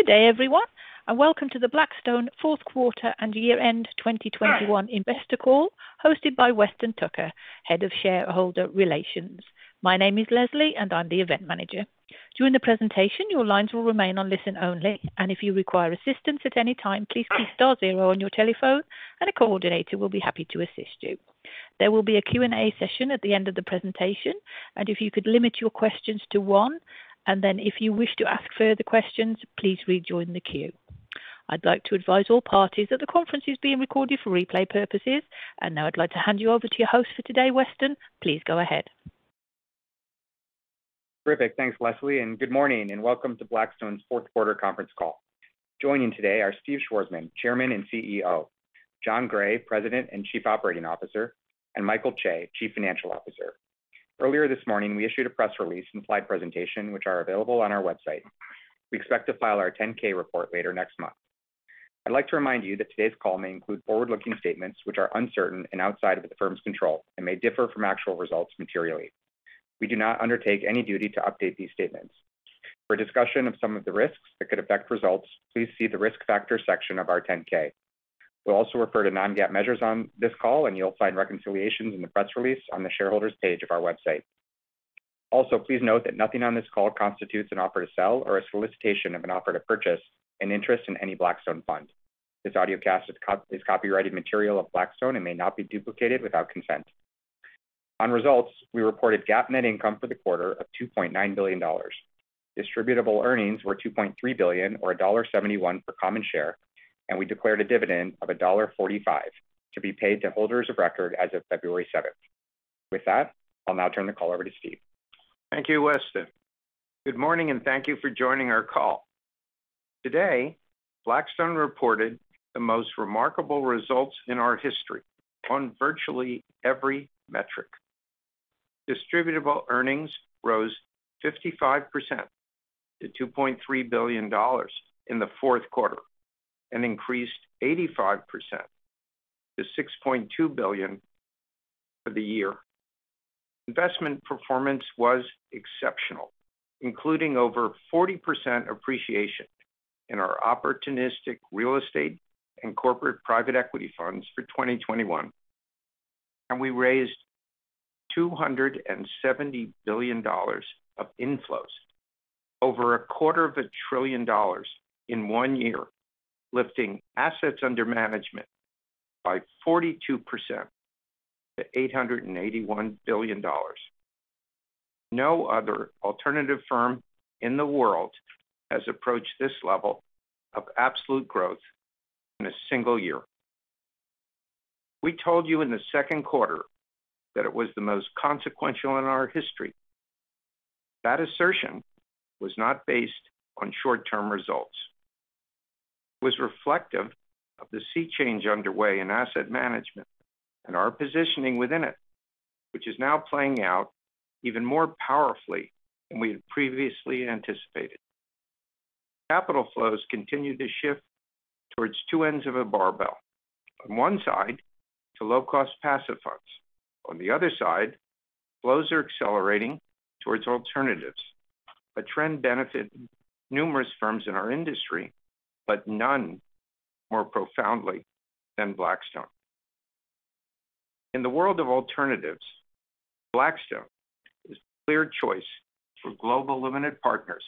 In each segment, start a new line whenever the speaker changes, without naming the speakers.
Good day everyone, and welcome to the Blackstone Fourth Quarter and Year-End 2021 Investor Call hosted by Weston Tucker, Head of Shareholder Relations. My name is Leslie, and I'm the event manager. During the presentation, your lines will remain on listen only, and if you require assistance at any time, please key star zero on your telephone and a coordinator will be happy to assist you. There will be a Q&A session at the end of the presentation, and if you could limit your questions to one, and then if you wish to ask further questions, please rejoin the queue. I'd like to advise all parties that the conference is being recorded for replay purposes. Now I'd like to hand you over to your host for today, Weston. Please go ahead.
Terrific. Thanks, Leslie, and good morning and welcome to Blackstone's Fourth Quarter conference call. Joining today are Steve Schwarzman, Chairman and CEO, Jon Gray, President and Chief Operating Officer, and Michael Chae, Chief Financial Officer. Earlier this morning, we issued a press release and slide presentation, which are available on our website. We expect to file our 10-K report later next month. I'd like to remind you that today's call may include forward-looking statements which are uncertain and outside of the firm's control and may differ from actual results materially. We do not undertake any duty to update these statements. For a discussion of some of the risks that could affect results, please see the Risk Factors section of our 10-K. We'll also refer to non-GAAP measures on this call, and you'll find reconciliations in the press release on the shareholders page of our website. Also, please note that nothing on this call constitutes an offer to sell or a solicitation of an offer to purchase an interest in any Blackstone fund. This audiocast is copyrighted material of Blackstone and may not be duplicated without consent. On results, we reported GAAP net income for the quarter of $2.9 billion. Distributable earnings were $2.3 billion or $1.71 per common share, and we declared a dividend of $1.45 to be paid to holders of record as of February seventh. With that, I'll now turn the call over to Steve.
Thank you, Weston. Good morning and thank you for joining our call. Today, Blackstone reported the most remarkable results in our history on virtually every metric. Distributable earnings rose 55% to $2.3 billion in the fourth quarter and increased 85% to $6.2 billion for the year. Investment performance was exceptional, including over 40% appreciation in our opportunistic real estate and corporate private equity funds for 2021. We raised $270 billion of inflows, over a quarter of a trillion dollars in one year, lifting assets under management by 42% to $881 billion. No other alternative firm in the world has approached this level of absolute growth in a single year. We told you in the second quarter that it was the most consequential in our history. That assertion was not based on short-term results. It was reflective of the sea change underway in asset management and our positioning within it, which is now playing out even more powerfully than we had previously anticipated. Capital flows continue to shift towards two ends of a barbell. On one side to low-cost passive funds. On the other side, flows are accelerating towards alternatives, a trend benefiting numerous firms in our industry, but none more profoundly than Blackstone. In the world of alternatives, Blackstone is the clear choice for global limited partners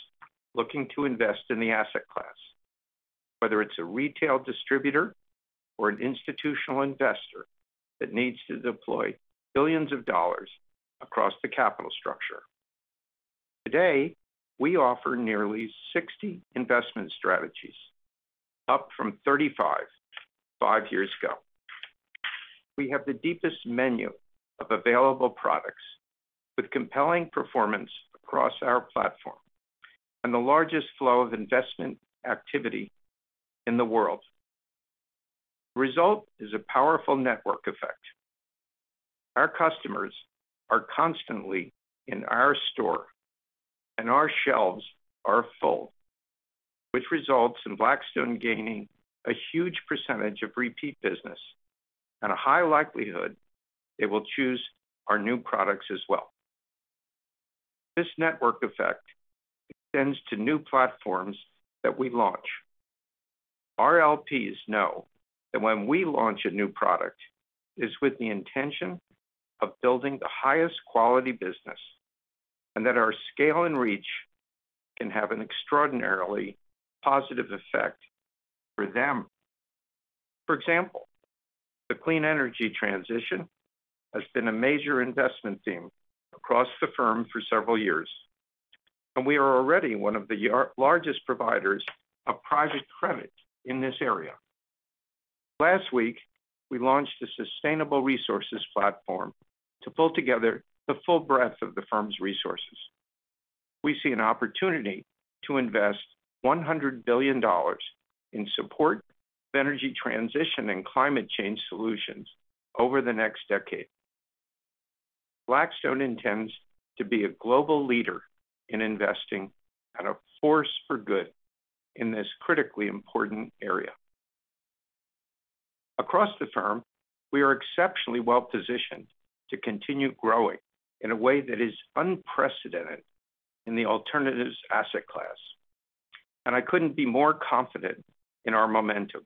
looking to invest in the asset class, whether it's a retail distributor or an institutional investor that needs to deploy billions of dollars across the capital structure. Today, we offer nearly 60 investment strategies, up from 35 five years ago. We have the deepest menu of available products with compelling performance across our platform and the largest flow of investment activity in the world. The result is a powerful network effect. Our customers are constantly in our store and our shelves are full, which results in Blackstone gaining a huge percentage of repeat business and a high likelihood they will choose our new products as well. This network effect extends to new platforms that we launch. Our LPs know that when we launch a new product, it is with the intention of building the highest quality business, and that our scale and reach can have an extraordinarily positive effect for them. For example, the clean energy transition has been a major investment theme across the firm for several years, and we are already one of the world's largest providers of private credit in this area. Last week, we launched a sustainable resources platform to pull together the full breadth of the firm's resources. We see an opportunity to invest $100 billion in support of energy transition and climate change solutions over the next decade. Blackstone intends to be a global leader in investing and a force for good in this critically important area. Across the firm, we are exceptionally well positioned to continue growing in a way that is unprecedented in the alternative asset class. I couldn't be more confident in our momentum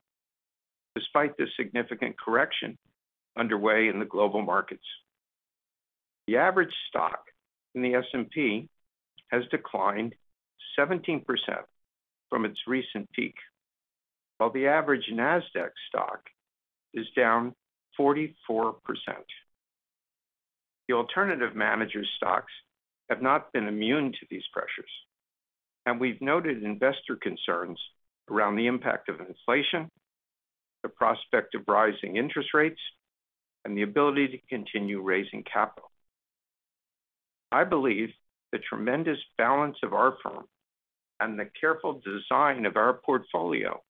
despite the significant correction underway in the global markets. The average stock in the S&P has declined 17% from its recent peak, while the average Nasdaq stock is down 44%. The alternative managers stocks have not been immune to these pressures, and we've noted investor concerns around the impact of inflation, the prospect of rising interest rates, and the ability to continue raising capital. I believe the tremendous balance of our firm and the careful design of our portfolio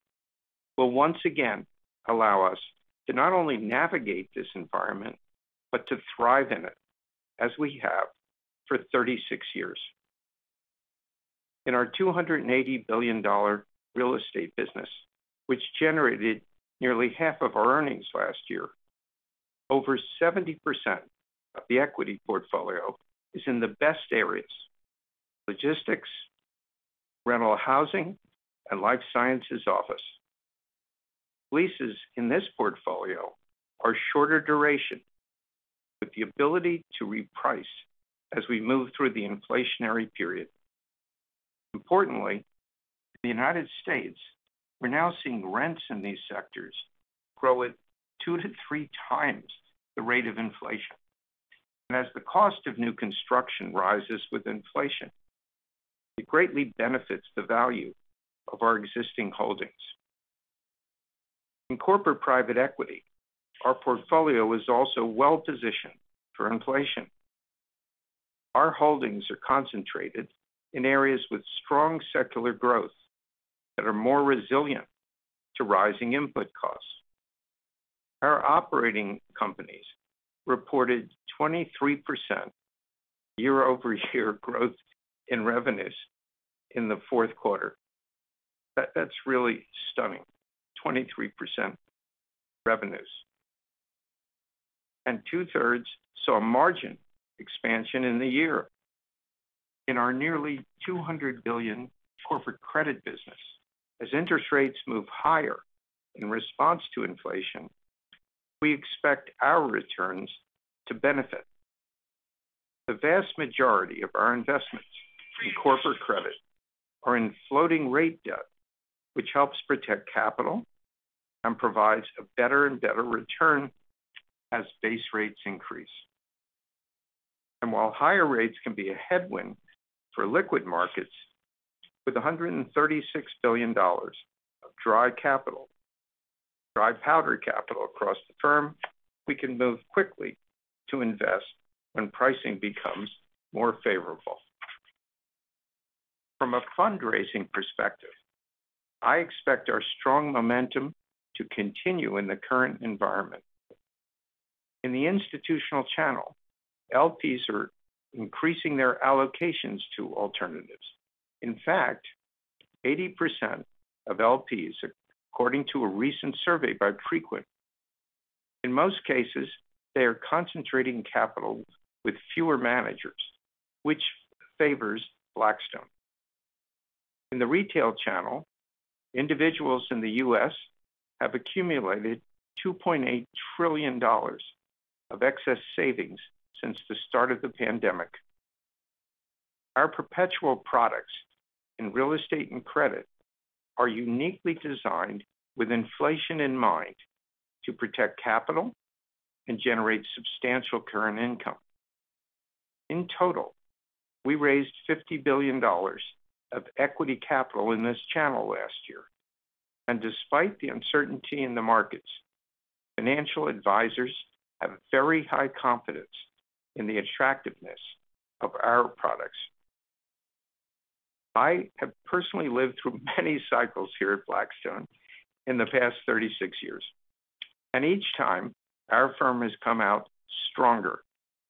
will once again allow us to not only navigate this environment, but to thrive in it as we have for 36 years. In our $280 billion real estate business, which generated nearly half of our earnings last year, over 70% of the equity portfolio is in the best areas, logistics, rental housing, and life sciences office. Leases in this portfolio are shorter duration with the ability to reprice as we move through the inflationary period. Importantly, in the United States, we're now seeing rents in these sectors grow at 2-3x the rate of inflation. As the cost of new construction rises with inflation, it greatly benefits the value of our existing holdings. In corporate private equity, our portfolio is also well-positioned for inflation. Our holdings are concentrated in areas with strong secular growth that are more resilient to rising input costs. Our operating companies reported 23% year-over-year growth in revenues in the fourth quarter. That's really stunning. 23% revenues. Two-thirds saw margin expansion in the year. In our nearly $200 billion corporate credit business, as interest rates move higher in response to inflation, we expect our returns to benefit. The vast majority of our investments in corporate credit are in floating rate debt, which helps protect capital and provides a better and better return as base rates increase. While higher rates can be a headwind for liquid markets, with $136 billion of dry capital, dry powdery capital across the firm, we can move quickly to invest when pricing becomes more favorable. From a fundraising perspective, I expect our strong momentum to continue in the current environment. In the institutional channel, LPs are increasing their allocations to alternatives. In fact, 80% of LPs, according to a recent survey by Preqin. In most cases, they are concentrating capital with fewer managers, which favors Blackstone. In the retail channel, individuals in the U.S. have accumulated $2.8 trillion of excess savings since the start of the pandemic. Our perpetual products in real estate and credit are uniquely designed with inflation in mind to protect capital and generate substantial current income. In total, we raised $50 billion of equity capital in this channel last year. Despite the uncertainty in the markets, financial advisors have very high confidence in the attractiveness of our products. I have personally lived through many cycles here at Blackstone in the past 36 years, and each time our firm has come out stronger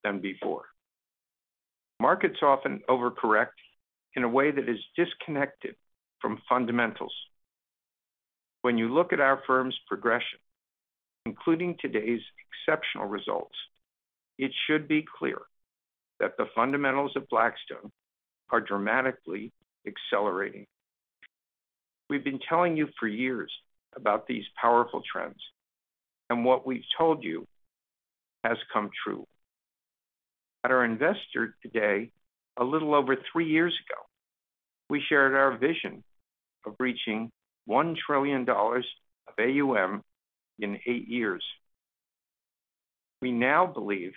than before. Markets often over-correct in a way that is disconnected from fundamentals. When you look at our firm's progression, including today's exceptional results, it should be clear that the fundamentals of Blackstone are dramatically accelerating. We've been telling you for years about these powerful trends, and what we've told you has come true. At our Investor Day, a little over three years ago, we shared our vision of reaching $1 trillion of AUM in eight years. We now believe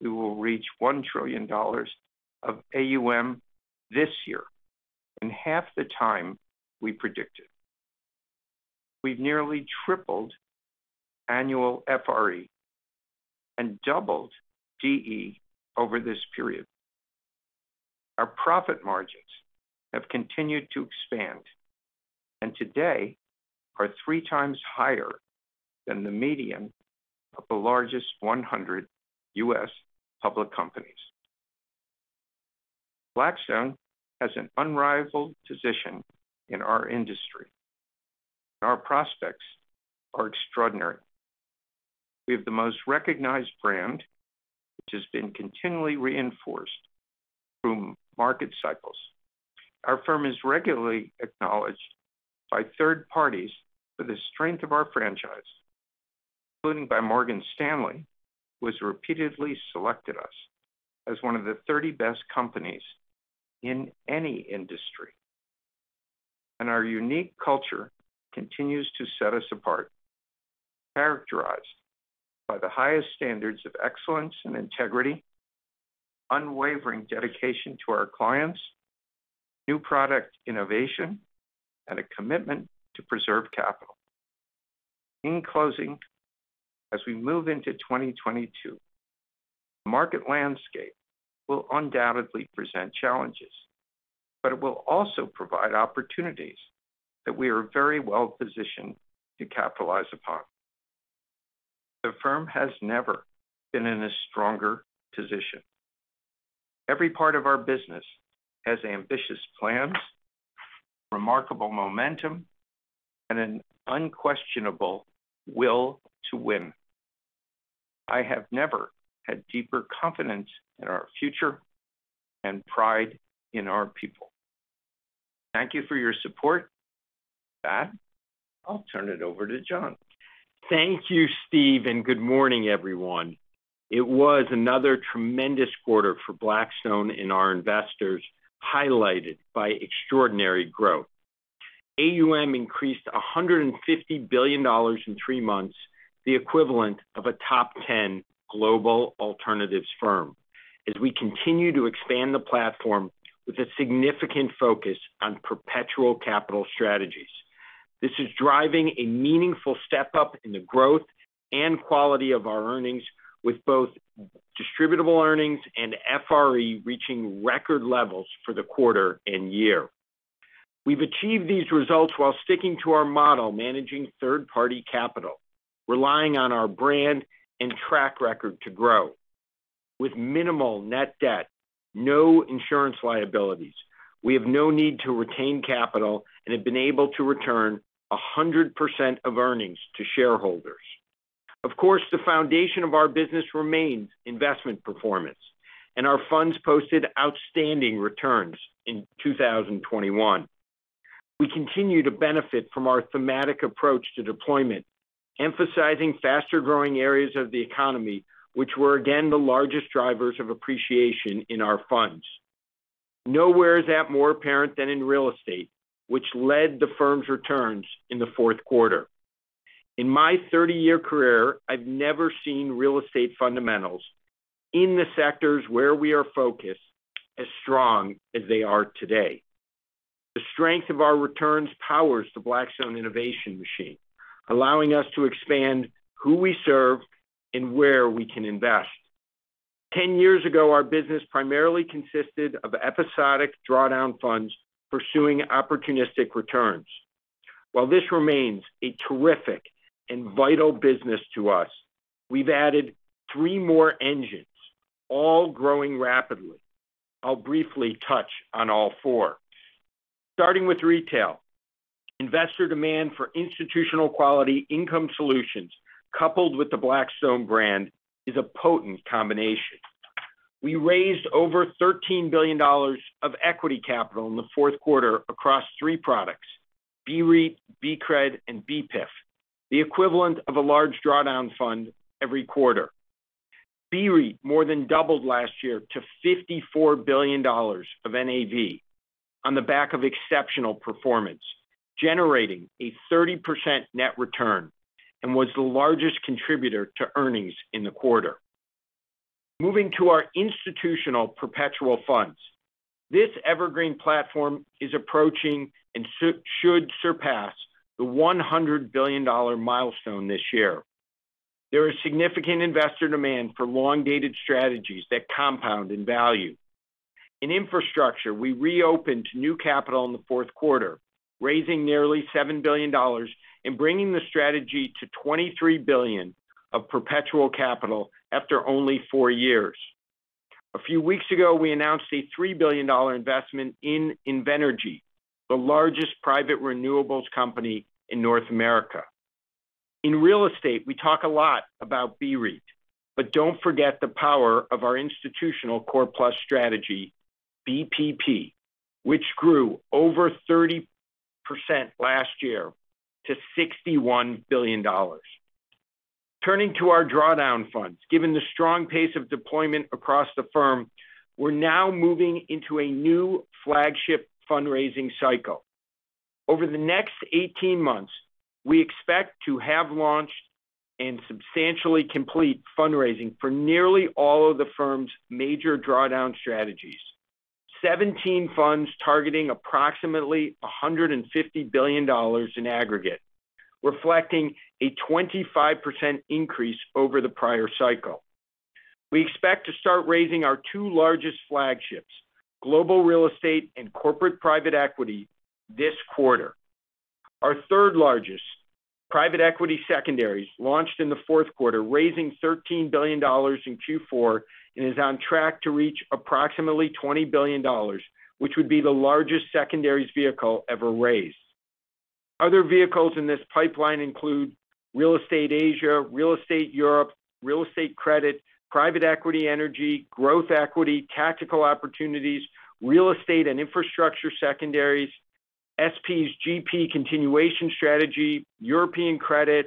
we will reach $1 trillion of AUM this year in half the time we predicted. We've nearly tripled annual FRE and doubled DE over this period. Our profit margins have continued to expand, and today are 3x higher than the median of the largest 100 U.S. public companies. Blackstone has an unrivaled position in our industry. Our prospects are extraordinary. We have the most recognized brand, which has been continually reinforced through market cycles. Our firm is regularly acknowledged by third parties for the strength of our franchise, including by Morgan Stanley, who has repeatedly selected us as one of the 30 best companies in any industry. Our unique culture continues to set us apart, characterized by the highest standards of excellence and integrity, unwavering dedication to our clients, new product innovation, and a commitment to preserve capital. In closing, as we move into 2022, the market landscape will undoubtedly present challenges, but it will also provide opportunities that we are very well positioned to capitalize upon. The firm has never been in a stronger position. Every part of our business has ambitious plans, remarkable momentum, and an unquestionable will to win. I have never had deeper confidence in our future and pride in our people. Thank you for your support. With that, I'll turn it over to Jon.
Thank you, Steve, and good morning, everyone. It was another tremendous quarter for Blackstone and our investors, highlighted by extraordinary growth. AUM increased $150 billion in three months, the equivalent of a top 10 global alternatives firm as we continue to expand the platform with a significant focus on perpetual capital strategies. This is driving a meaningful step-up in the growth and quality of our earnings, with both distributable earnings and FRE reaching record levels for the quarter and year. We've achieved these results while sticking to our model managing third-party capital, relying on our brand and track record to grow. With minimal net debt, no insurance liabilities, we have no need to retain capital and have been able to return 100% of earnings to shareholders. Of course, the foundation of our business remains investment performance, and our funds posted outstanding returns in 2021. We continue to benefit from our thematic approach to deployment, emphasizing faster-growing areas of the economy, which were again the largest drivers of appreciation in our funds. Nowhere is that more apparent than in real estate, which led the firm's returns in the fourth quarter. In my 30-year career, I've never seen real estate fundamentals in the sectors where we are focused as strong as they are today. The strength of our returns powers the Blackstone innovation machine, allowing us to expand who we serve and where we can invest. 10 years ago, our business primarily consisted of episodic drawdown funds pursuing opportunistic returns. While this remains a terrific and vital business to us, we've added three more engines, all growing rapidly. I'll briefly touch on all four. Starting with retail. Investor demand for institutional-quality income solutions coupled with the Blackstone brand is a potent combination. We raised over $13 billion of equity capital in the fourth quarter across three products, BREIT, BCRED, and BEPIF, the equivalent of a large drawdown fund every quarter. BREIT more than doubled last year to $54 billion of NAV on the back of exceptional performance, generating a 30% net return, and was the largest contributor to earnings in the quarter. Moving to our institutional perpetual funds. This evergreen platform is approaching and should surpass the $100 billion milestone this year. There is significant investor demand for long-dated strategies that compound in value. In infrastructure, we reopened to new capital in the fourth quarter, raising nearly $7 billion and bringing the strategy to $23 billion of perpetual capital after only four years. A few weeks ago, we announced a $3 billion investment in Invenergy, the largest private renewables company in North America. In real estate, we talk a lot about BREIT, but don't forget the power of our institutional core plus strategy, BPP, which grew over 30% last year to $61 billion. Turning to our drawdown funds. Given the strong pace of deployment across the firm, we're now moving into a new flagship fundraising cycle. Over the next 18 months, we expect to have launched and substantially complete fundraising for nearly all of the firm's major drawdown strategies. 17 funds targeting approximately $150 billion in aggregate, reflecting a 25% increase over the prior cycle. We expect to start raising our two largest flagships, global real estate and corporate private equity, this quarter. Our third largest, private equity secondaries, launched in the fourth quarter, raising $13 billion in Q4 and is on track to reach approximately $20 billion, which would be the largest secondaries vehicle ever raised. Other vehicles in this pipeline include real estate Asia, real estate Europe, real estate credit, private equity energy, growth equity, tactical opportunities, real estate and infrastructure secondaries, SP GP continuation strategy, European credit,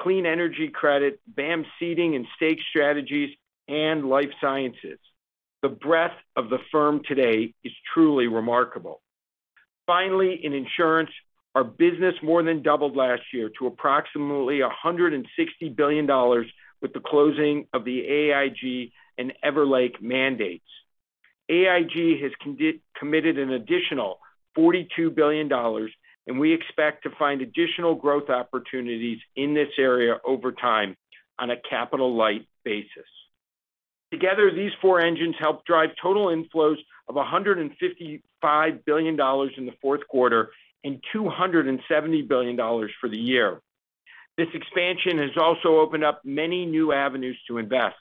clean energy credit, BAAM seeding and stake strategies, and life sciences. The breadth of the firm today is truly remarkable. Finally, in insurance, our business more than doubled last year to approximately $160 billion with the closing of the AIG and Everlake mandates. AIG has committed an additional $42 billion, and we expect to find additional growth opportunities in this area over time on a capital-light basis. Together, these four engines help drive total inflows of $155 billion in the fourth quarter and $270 billion for the year. This expansion has also opened up many new avenues to invest,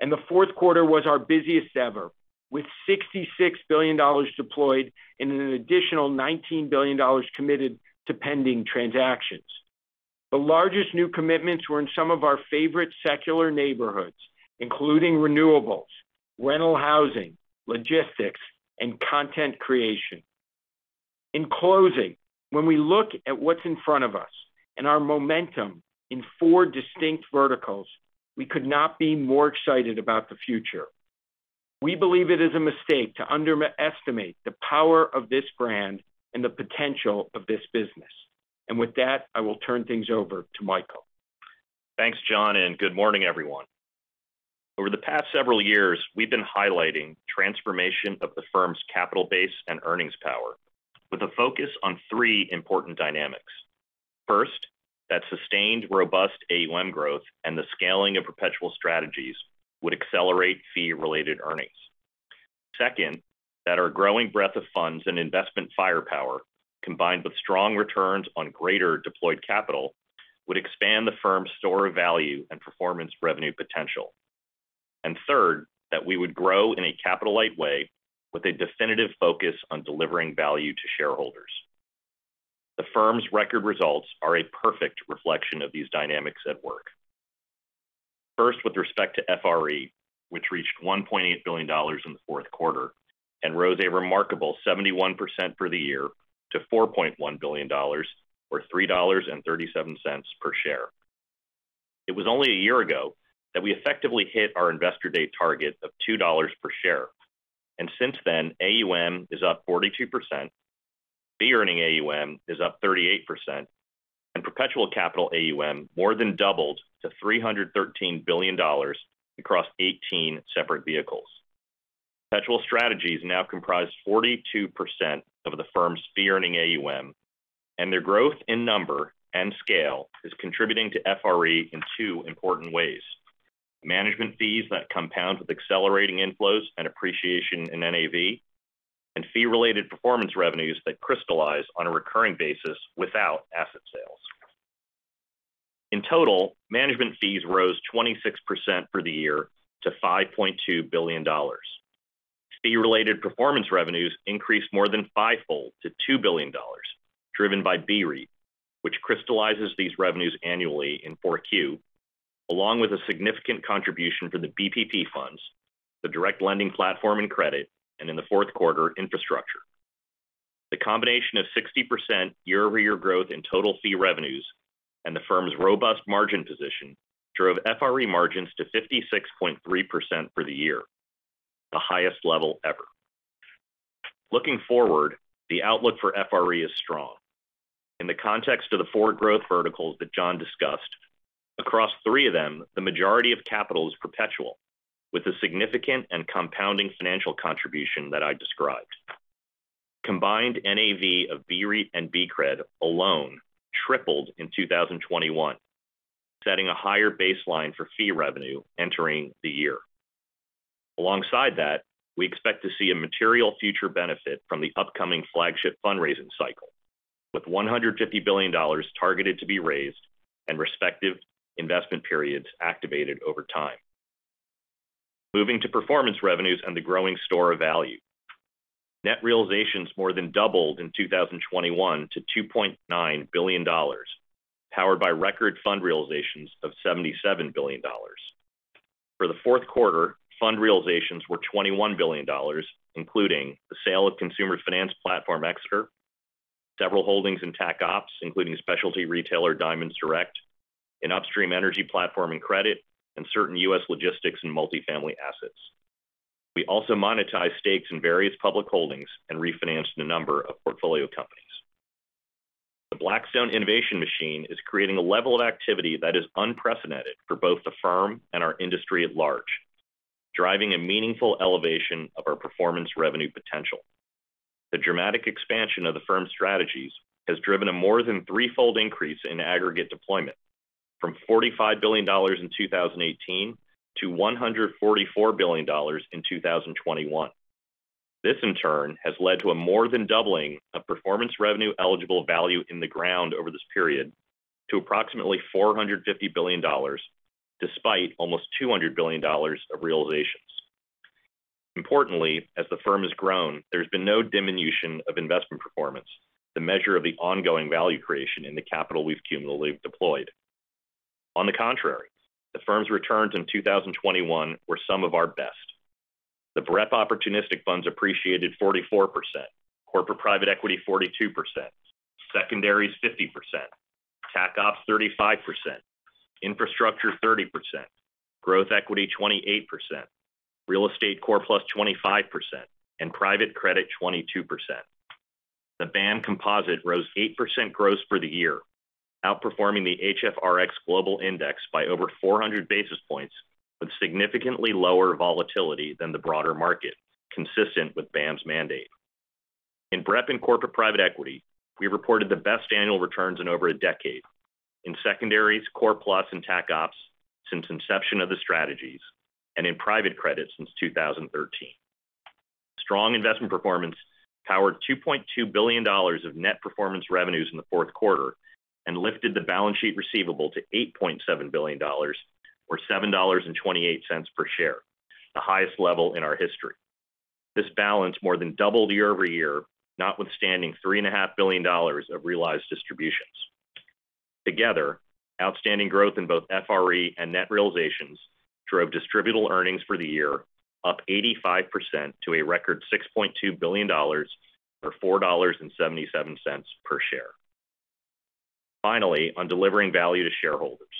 and the fourth quarter was our busiest ever, with $66 billion deployed and an additional $19 billion committed to pending transactions. The largest new commitments were in some of our favorite secular neighborhoods, including renewables, rental housing, logistics, and content creation. In closing, when we look at what's in front of us and our momentum in four distinct verticals, we could not be more excited about the future. We believe it is a mistake to underestimate the power of this brand and the potential of this business. With that, I will turn things over to Michael.
Thanks, Jon, and good morning, everyone. Over the past several years, we've been highlighting transformation of the firm's capital base and earnings power with a focus on three important dynamics. First, that sustained robust AUM growth and the scaling of perpetual strategies would accelerate fee-related earnings. Second, that our growing breadth of funds and investment firepower, combined with strong returns on greater deployed capital, would expand the firm's store of value and performance revenue potential. Third, that we would grow in a capital-light way with a definitive focus on delivering value to shareholders. The firm's record results are a perfect reflection of these dynamics at work. First, with respect to FRE, which reached $1.8 billion in the fourth quarter and rose a remarkable 71% for the year to $4.1 billion or $3.37 per share. It was only a year ago that we effectively hit our Investor Day target of $2 per share. Since then, AUM is up 42%, fee earning AUM is up 38%, and perpetual capital AUM more than doubled to $313 billion across 18 separate vehicles. Perpetual strategies now comprise 42% of the firm's fee earning AUM, and their growth in number and scale is contributing to FRE in two important ways, management fees that compound with accelerating inflows and appreciation in NAV, and fee-related performance revenues that crystallize on a recurring basis without asset sales. In total, management fees rose 26% for the year to $5.2 billion. Fee-related performance revenues increased more than five-fold to $2 billion, driven by BREIT, which crystallizes these revenues annually in Q4, along with a significant contribution from the BPP funds, the direct lending platform and credit, and in the fourth quarter, infrastructure. The combination of 60% year-over-year growth in total fee revenues and the firm's robust margin position drove FRE margins to 56.3% for the year, the highest level ever. Looking forward, the outlook for FRE is strong. In the context of the four growth verticals that Jon discussed, across three of them, the majority of capital is perpetual, with a significant and compounding financial contribution that I described. Combined NAV of BREIT and BCRED alone tripled in 2021, setting a higher baseline for fee revenue entering the year. Alongside that, we expect to see a material future benefit from the upcoming flagship fundraising cycle, with $100 billion targeted to be raised and respective investment periods activated over time. Moving to performance revenues and the growing store of value. Net realizations more than doubled in 2021 to $2.9 billion, powered by record fund realizations of $77 billion. For the fourth quarter, fund realizations were $21 billion, including the sale of consumer finance platform Exeter, several holdings in Tac Opps, including specialty retailer Diamonds Direct, an upstream energy platform in credit, and certain U.S. logistics and multifamily assets. We also monetized stakes in various public holdings and refinanced a number of portfolio companies. The Blackstone innovation machine is creating a level of activity that is unprecedented for both the firm and our industry at large, driving a meaningful elevation of our performance revenue potential. The dramatic expansion of the firm's strategies has driven a more than threefold increase in aggregate deployment from $45 billion in 2018 to $144 billion in 2021. This in turn has led to a more than doubling of performance revenue eligible value in the ground over this period to approximately $450 billion, despite almost $200 billion of realizations. Importantly, as the firm has grown, there's been no diminution of investment performance, the measure of the ongoing value creation in the capital we've cumulatively deployed. On the contrary, the firm's returns in 2021 were some of our best. The BREP opportunistic funds appreciated 44%, corporate private equity 42%, secondaries 50%, Tac Opps 35%, infrastructure 30%, growth equity 28%, real estate core-plus 25%, and private credit 22%. The BAAM composite rose 8% gross for the year, outperforming the HFRX Global Hedge Fund Index by over 400 basis points with significantly lower volatility than the broader market, consistent with BAAM's mandate. In BREP and corporate private equity, we reported the best annual returns in over a decade. In secondaries, core-plus, and Tac Opps since inception of the strategies, and in private credit since 2013. Strong investment performance powered $2.2 billion of net performance revenues in the fourth quarter and lifted the balance sheet receivable to $8.7 billion or $7.28 per share, the highest level in our history. This balance more than doubled year-over-year, notwithstanding $3.5 billion of realized distributions. Together, outstanding growth in both FRE and net realizations drove distributable earnings for the year up 85% to a record $6.2 billion or $4.77 per share. Finally, on delivering value to shareholders,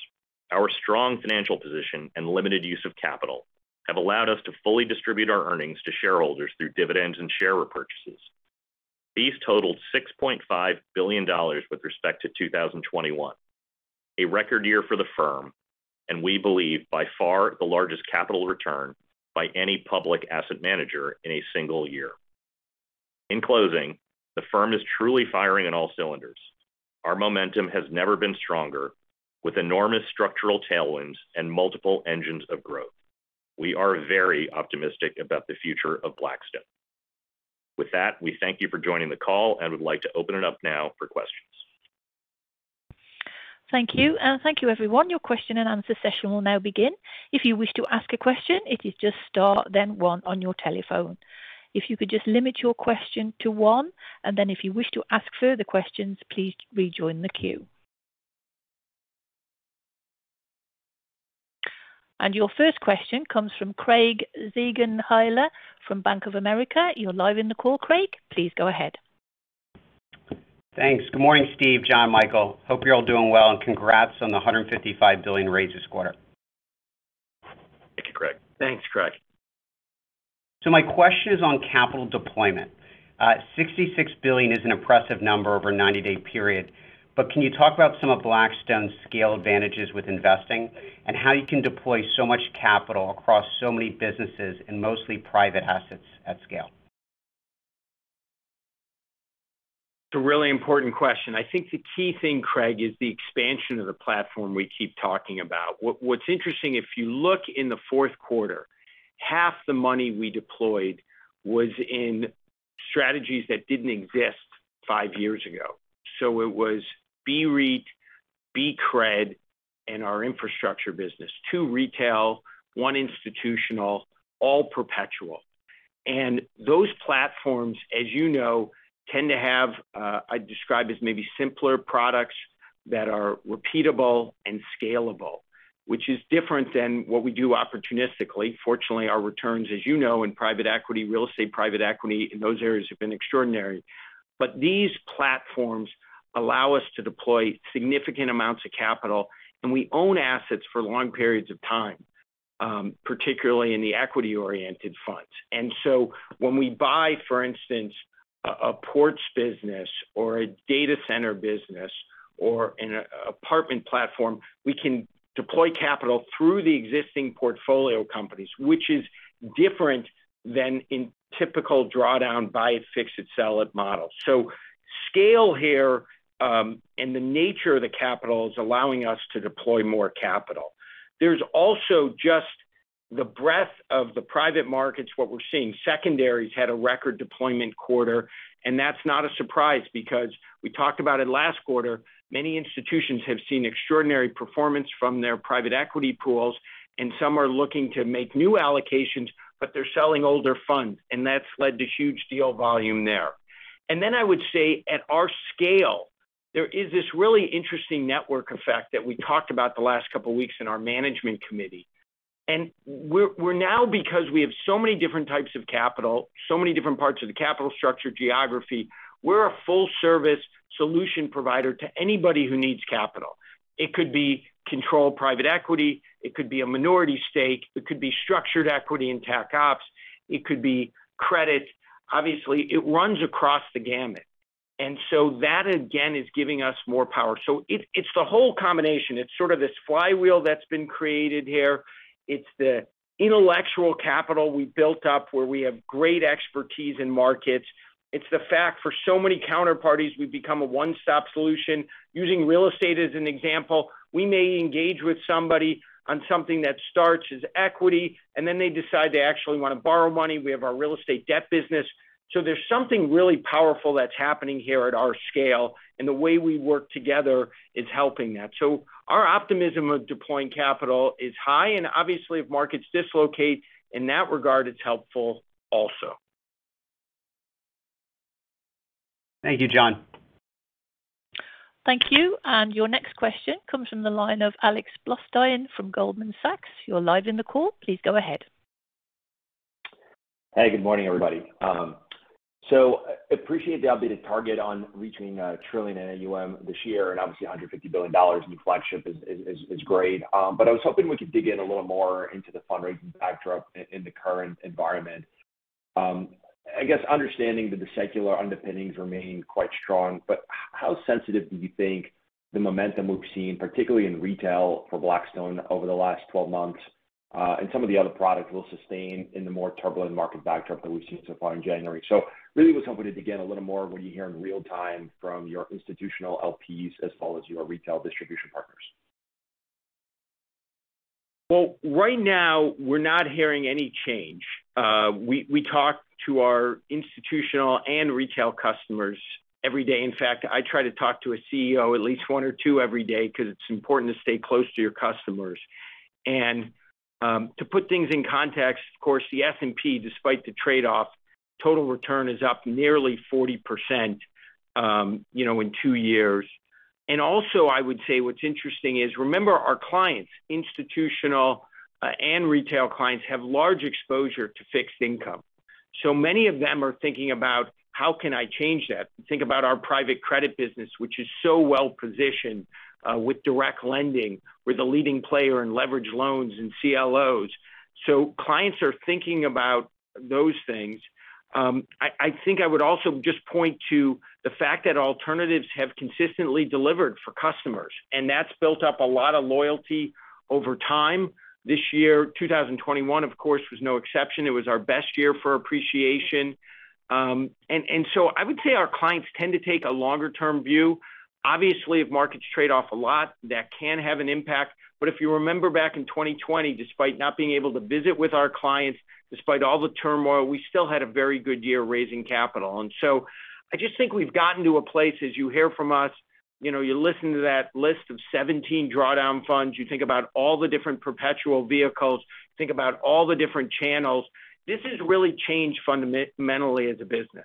our strong financial position and limited use of capital have allowed us to fully distribute our earnings to shareholders through dividends and share repurchases. These totaled $6.5 billion with respect to 2021, a record year for the firm, and we believe by far the largest capital return by any public asset manager in a single year. In closing, the firm is truly firing on all cylinders. Our momentum has never been stronger, with enormous structural tailwinds and multiple engines of growth. We are very optimistic about the future of Blackstone. With that, we thank you for joining the call and would like to open it up now for questions.
Thank you. Thank you everyone. Your question and answer session will now begin. If you wish to ask a question, it is just star then one on your telephone. If you could just limit your question to one, and then if you wish to ask further questions, please rejoin the queue. Your first question comes from Craig Siegenthaler from Bank of America. You're live in the call, Craig. Please go ahead.
Thanks. Good morning, Steve, Jon, Michael. Hope you're all doing well, and congrats on the $155 billion raise this quarter.
Thank you, Craig.
Thanks, Craig.
My question is on capital deployment. $66 billion is an impressive number over a 90-day period, but can you talk about some of Blackstone's scale advantages with investing and how you can deploy so much capital across so many businesses in mostly private assets at scale?
It's a really important question. I think the key thing, Craig, is the expansion of the platform we keep talking about. What's interesting, if you look in the fourth quarter, half the money we deployed was in strategies that didn't exist five years ago. It was BREIT, BCRED, and our infrastructure business. Two retail, one institutional, all perpetual. Those platforms, as you know, tend to have, I describe as maybe simpler products that are repeatable and scalable, which is different than what we do opportunistically. Fortunately, our returns, as you know, in private equity, real estate, in those areas have been extraordinary. These platforms allow us to deploy significant amounts of capital, and we own assets for long periods of time, particularly in the equity-oriented funds. When we buy, for instance, a ports business or a data center business or an apartment platform, we can deploy capital through the existing portfolio companies, which is different than in typical drawdown, buy it, fix it, sell it model. Scale here, and the nature of the capital is allowing us to deploy more capital. There's also just the breadth of the private markets, what we're seeing. Secondaries had a record deployment quarter, and that's not a surprise because we talked about it last quarter. Many institutions have seen extraordinary performance from their private equity pools, and some are looking to make new allocations, but they're selling older funds, and that's led to huge deal volume there. I would say at our scale, there is this really interesting network effect that we talked about the last couple weeks in our management committee. We're now because we have so many different types of capital, so many different parts of the capital structure, geography, we're a full service solution provider to anybody who needs capital. It could be controlled private equity, it could be a minority stake, it could be structured equity in Tac Opps, it could be credit. Obviously, it runs across the gamut. That again is giving us more power. It's the whole combination. It's sort of this flywheel that's been created here. It's the intellectual capital we built up where we have great expertise in markets. It's the fact for so many counterparties, we've become a one-stop solution. Using real estate as an example, we may engage with somebody on something that starts as equity, and then they decide to actually want to borrow money. We have our real estate debt business. There's something really powerful that's happening here at our scale, and the way we work together is helping that. Our optimism of deploying capital is high. Obviously, if markets dislocate in that regard, it's helpful also. Thank you, Jon.
Thank you. Your next question comes from the line of Alex Blostein from Goldman Sachs. You're live in the call. Please go ahead.
Hey, good morning, everybody. Appreciate the updated target on reaching a trillion in AUM this year, and obviously $150 billion new flagship is great. But I was hoping we could dig in a little more into the fundraising backdrop in the current environment. I guess understanding that the secular underpinnings remain quite strong, but how sensitive do you think the momentum we've seen, particularly in retail for Blackstone over the last 12 months, and some of the other products will sustain in the more turbulent market backdrop that we've seen so far in January? Really was hoping to dig in a little more what you hear in real time from your institutional LPs as well as your retail distribution partners.
Well, right now, we're not hearing any change. We talk to our institutional and retail customers every day. In fact, I try to talk to a CEO at least one or two every day 'cause it's important to stay close to your customers. To put things in context, of course, the S&P, despite the trade-off, total return is up nearly 40%, you know, in two years. I would say what's interesting is, remember our clients, institutional and retail clients have large exposure to fixed income. So many of them are thinking about how can I change that? Think about our private credit business, which is so well-positioned with direct lending. We're the leading player in leveraged loans and CLOs. So clients are thinking about those things. I think I would also just point to the fact that alternatives have consistently delivered for customers, and that's built up a lot of loyalty over time. This year, 2021, of course, was no exception. It was our best year for appreciation. I would say our clients tend to take a longer-term view. Obviously, if markets trade off a lot, that can have an impact. But if you remember back in 2020, despite not being able to visit with our clients, despite all the turmoil, we still had a very good year raising capital. I just think we've gotten to a place, as you hear from us, you know, you listen to that list of 17 drawdown funds, you think about all the different perpetual vehicles, think about all the different channels. This has really changed fundamentally as a business.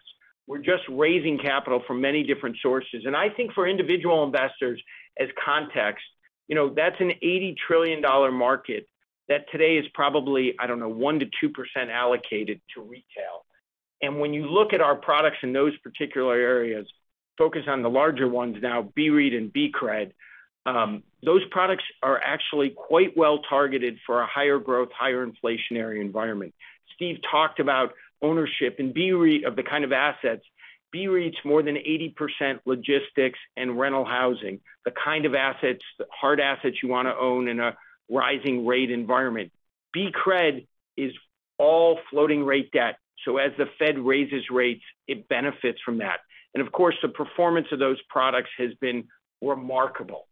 We're just raising capital from many different sources. I think for individual investors as context, you know, that's an $80 trillion market that today is probably, I don't know, 1%-2% allocated to retail. When you look at our products in those particular areas, focus on the larger ones now, BREIT and BCRED, those products are actually quite well targeted for a higher growth, higher inflationary environment. Steve talked about ownership, and BREIT of the kind of assets. BREIT's more than 80% logistics and rental housing, the kind of assets, the hard assets you wanna own in a rising rate environment. BCRED is all floating rate debt, so as the Fed raises rates, it benefits from that. Of course, the performance of those products has been remarkable.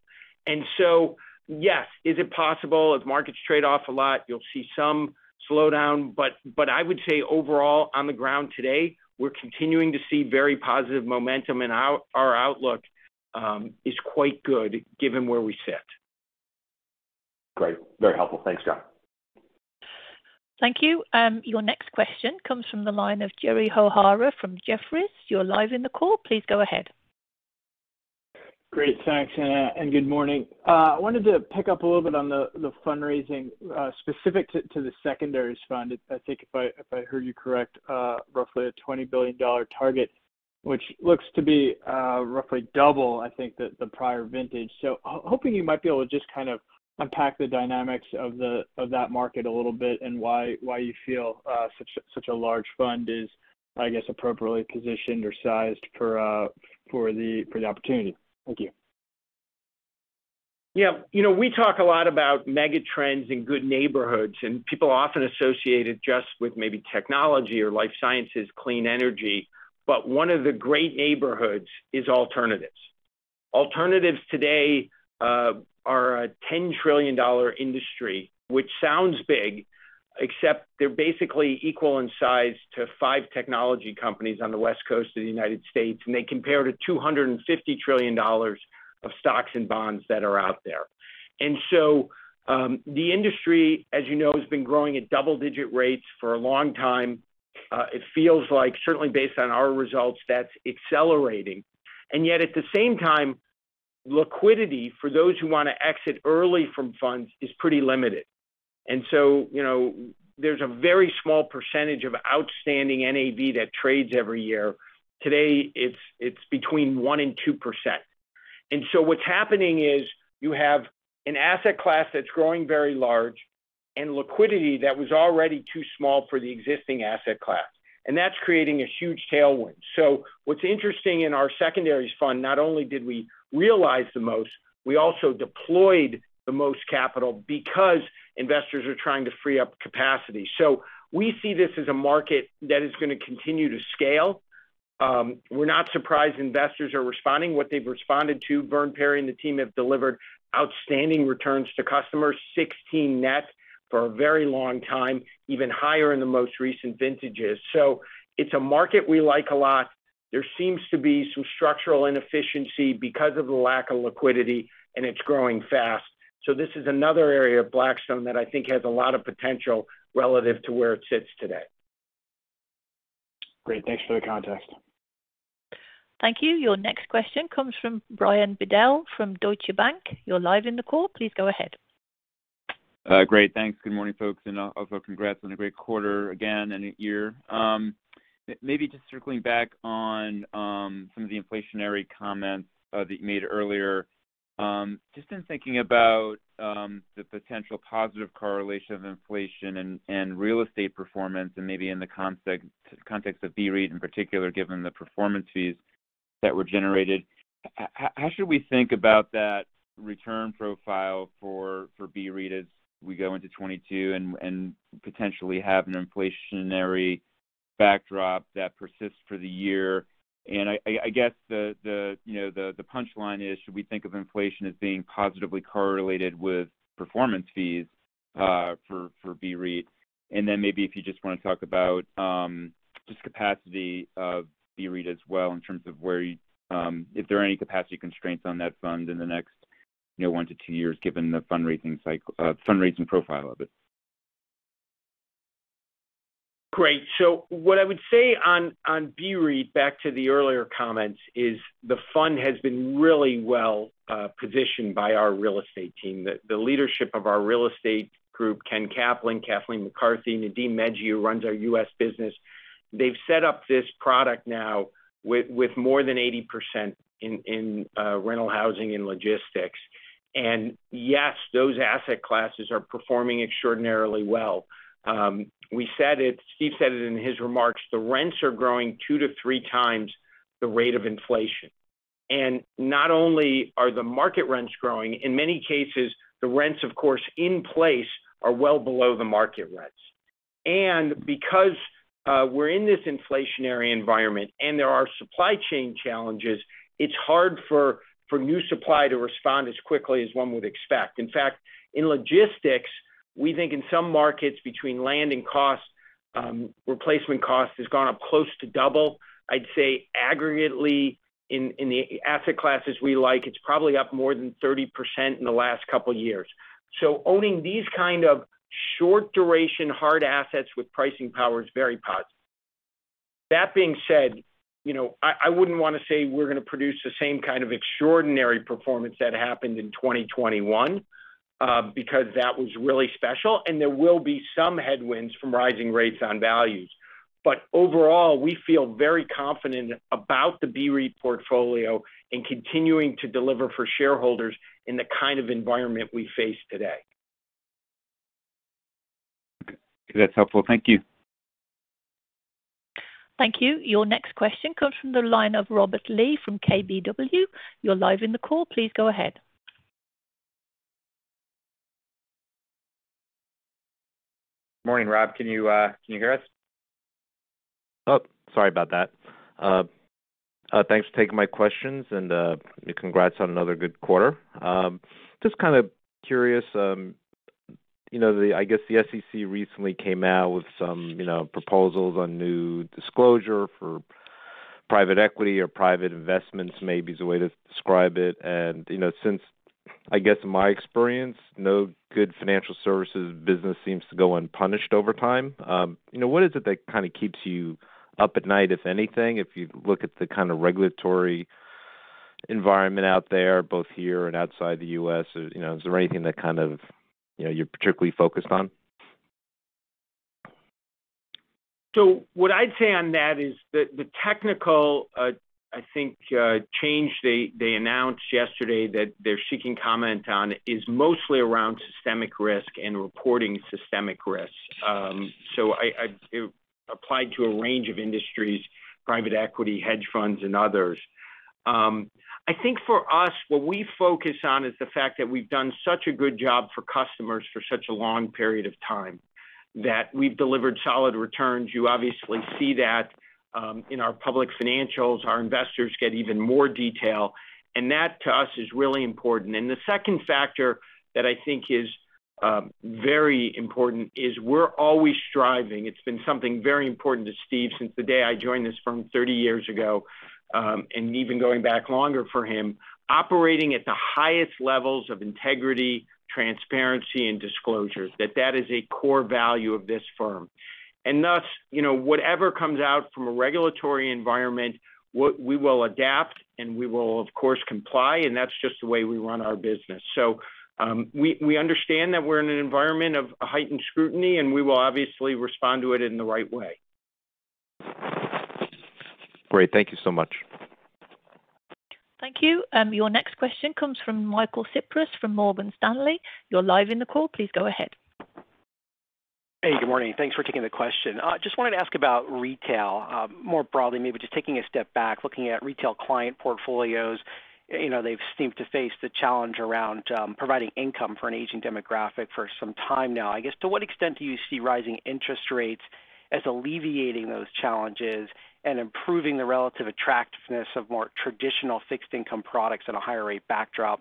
Yes, is it possible as markets trade off a lot, you'll see some slowdown, but I would say overall on the ground today, we're continuing to see very positive momentum, and our outlook is quite good given where we sit.
Great. Very helpful. Thanks, Jon.
Thank you. Your next question comes from the line of Gerry O'Hara from Jefferies. You're live in the call. Please go ahead.
Great. Thanks [Hannah]. Good morning. I wanted to pick up a little bit on the fundraising specific to the secondaries fund. I think if I heard you correctly, roughly a $20 billion target, which looks to be roughly double the prior vintage. Hoping you might be able to just kind of unpack the dynamics of that market a little bit, and why you feel such a large fund is, I guess, appropriately positioned or sized for the opportunity. Thank you.
Yeah. You know, we talk a lot about mega trends in good neighborhoods, and people often associate it just with maybe technology or life sciences, clean energy, but one of the great neighborhoods is alternatives. Alternatives today are a $10 trillion industry, which sounds big, except they're basically equal in size to five technology companies on the West Coast of the United States, and they compare to $250 trillion of stocks and bonds that are out there. The industry, as you know, has been growing at double digit rates for a long time. It feels like certainly based on our results, that's accelerating. And yet at the same time, liquidity for those who wanna exit early from funds is pretty limited. You know, there's a very small percentage of outstanding NAV that trades every year. Today, it's between 1% and 2%. What's happening is you have an asset class that's growing very large, and liquidity that was already too small for the existing asset class. That's creating a huge tailwind. What's interesting in our secondaries fund, not only did we realize the most, we also deployed the most capital because investors are trying to free up capacity. We see this as a market that is gonna continue to scale. We're not surprised investors are responding. What they've responded to, Verdun Perry and the team have delivered outstanding returns to customers, 16 net for a very long time, even higher in the most recent vintages. It's a market we like a lot. There seems to be some structural inefficiency because of the lack of liquidity, and it's growing fast. This is another area of Blackstone that I think has a lot of potential relative to where it sits today.
Great. Thanks for the context.
Thank you. Your next question comes from Brian Bedell from Deutsche Bank. You're live in the call. Please go ahead.
Great. Thanks. Good morning, folks, and also congrats on a great quarter again, and year. Maybe just circling back on some of the inflationary comments that you made earlier. Just in thinking about the potential positive correlation of inflation and real estate performance and maybe in the context of BREIT in particular, given the performance fees that were generated, how should we think about that return profile for BREIT as we go into 2022 and potentially have an inflationary backdrop that persists for the year? I guess you know the punchline is, should we think of inflation as being positively correlated with performance fees for BREIT? Maybe if you just wanna talk about just capacity of BREIT as well in terms of where you if there are any capacity constraints on that fund in the next, you know, one to two years, given the fundraising profile of it.
Great. What I would say on BREIT, back to the earlier comments, is the fund has been really well positioned by our real estate team. The leadership of our real estate group, Ken Caplan, Kathleen McCarthy, Nadeem Meghji, who runs our U.S. business, they've set up this product now with more than 80% in rental housing and logistics. Yes, those asset classes are performing extraordinarily well. We said it, Steve said it in his remarks, the rents are growing 2-3x the rate of inflation. Not only are the market rents growing, in many cases, the rents, of course, in place are well below the market rents. Because we're in this inflationary environment and there are supply chain challenges, it's hard for new supply to respond as quickly as one would expect. In fact, in logistics, we think in some markets, between land and cost, replacement cost has gone up close to double. I'd say aggregately in the asset classes we like, it's probably up more than 30% in the last couple years. Owning these kind of short duration, hard assets with pricing power is very positive. That being said, you know, I wouldn't wanna say we're gonna produce the same kind of extraordinary performance that happened in 2021, because that was really special, and there will be some headwinds from rising rates on values. Overall, we feel very confident about the BREIT portfolio and continuing to deliver for shareholders in the kind of environment we face today.
That's helpful. Thank you.
Thank you. Your next question comes from the line of Robert Lee from KBW. You're live on the call. Please go ahead.
Morning, Rob. Can you hear us?
Sorry about that. Thanks for taking my questions, and congrats on another good quarter. Just kinda curious, you know, I guess the SEC recently came out with some, you know, proposals on new disclosure for private equity or private investments, maybe is the way to describe it. You know, since, I guess in my experience, no good financial services business seems to go unpunished over time. You know, what is it that kinda keeps you up at night, if anything, if you look at the kinda regulatory environment out there, both here and outside the U.S., you know, is there anything that kind of, you know, you're particularly focused on?
What I'd say on that is the technical I think change they announced yesterday that they're seeking comment on is mostly around systemic risk and reporting systemic risks. It's applied to a range of industries, private equity, hedge funds, and others. I think for us, what we focus on is the fact that we've done such a good job for customers for such a long period of time, that we've delivered solid returns. You obviously see that in our public financials. Our investors get even more detail. That, to us, is really important. The second factor that I think is very important is we're always striving. It's been something very important to Steve since the day I joined this firm 30 years ago, and even going back longer for him, operating at the highest levels of integrity, transparency, and disclosure. That is a core value of this firm. Thus, you know, whatever comes out from a regulatory environment, we will adapt, and we will, of course, comply, and that's just the way we run our business. We understand that we're in an environment of a heightened scrutiny, and we will obviously respond to it in the right way.
Great. Thank you so much.
Thank you. Your next question comes from Michael Cyprys from Morgan Stanley. You're live in the call. Please go ahead.
Hey, good morning. Thanks for taking the question. Just wanted to ask about retail, more broadly, maybe just taking a step back, looking at retail client portfolios. You know, they've seemed to face the challenge around providing income for an aging demographic for some time now. I guess, to what extent do you see rising interest rates as alleviating those challenges and improving the relative attractiveness of more traditional fixed income products in a higher rate backdrop?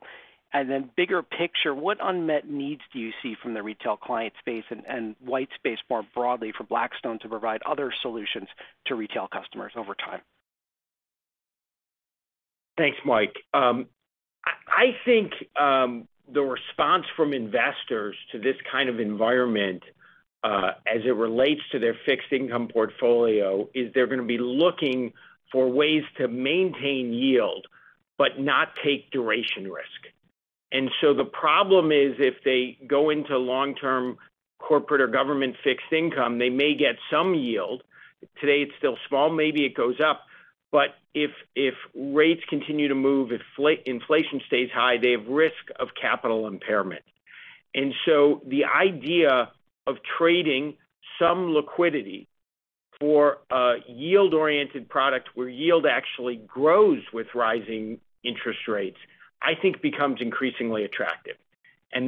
And then bigger picture, what unmet needs do you see from the retail client space and white space more broadly for Blackstone to provide other solutions to retail customers over time?
Thanks, Mike. I think the response from investors to this kind of environment, as it relates to their fixed income portfolio, is they're gonna be looking for ways to maintain yield but not take duration risk. The problem is if they go into long-term corporate or government fixed income, they may get some yield. Today it's still small, maybe it goes up. If rates continue to move, inflation stays high, they have risk of capital impairment. The idea of trading some liquidity for a yield-oriented product where yield actually grows with rising interest rates, I think becomes increasingly attractive.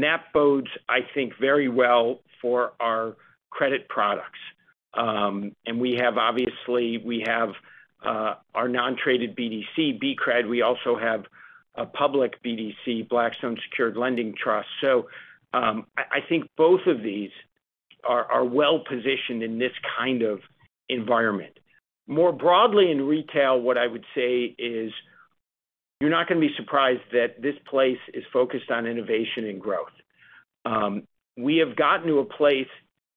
That bodes, I think, very well for our credit products. We have obviously our non-traded BDC, BCRED. We also have a public BDC, Blackstone Secured Lending Fund. I think both of these are well-positioned in this kind of environment. More broadly in retail, what I would say is you're not gonna be surprised that this place is focused on innovation and growth. We have gotten to a place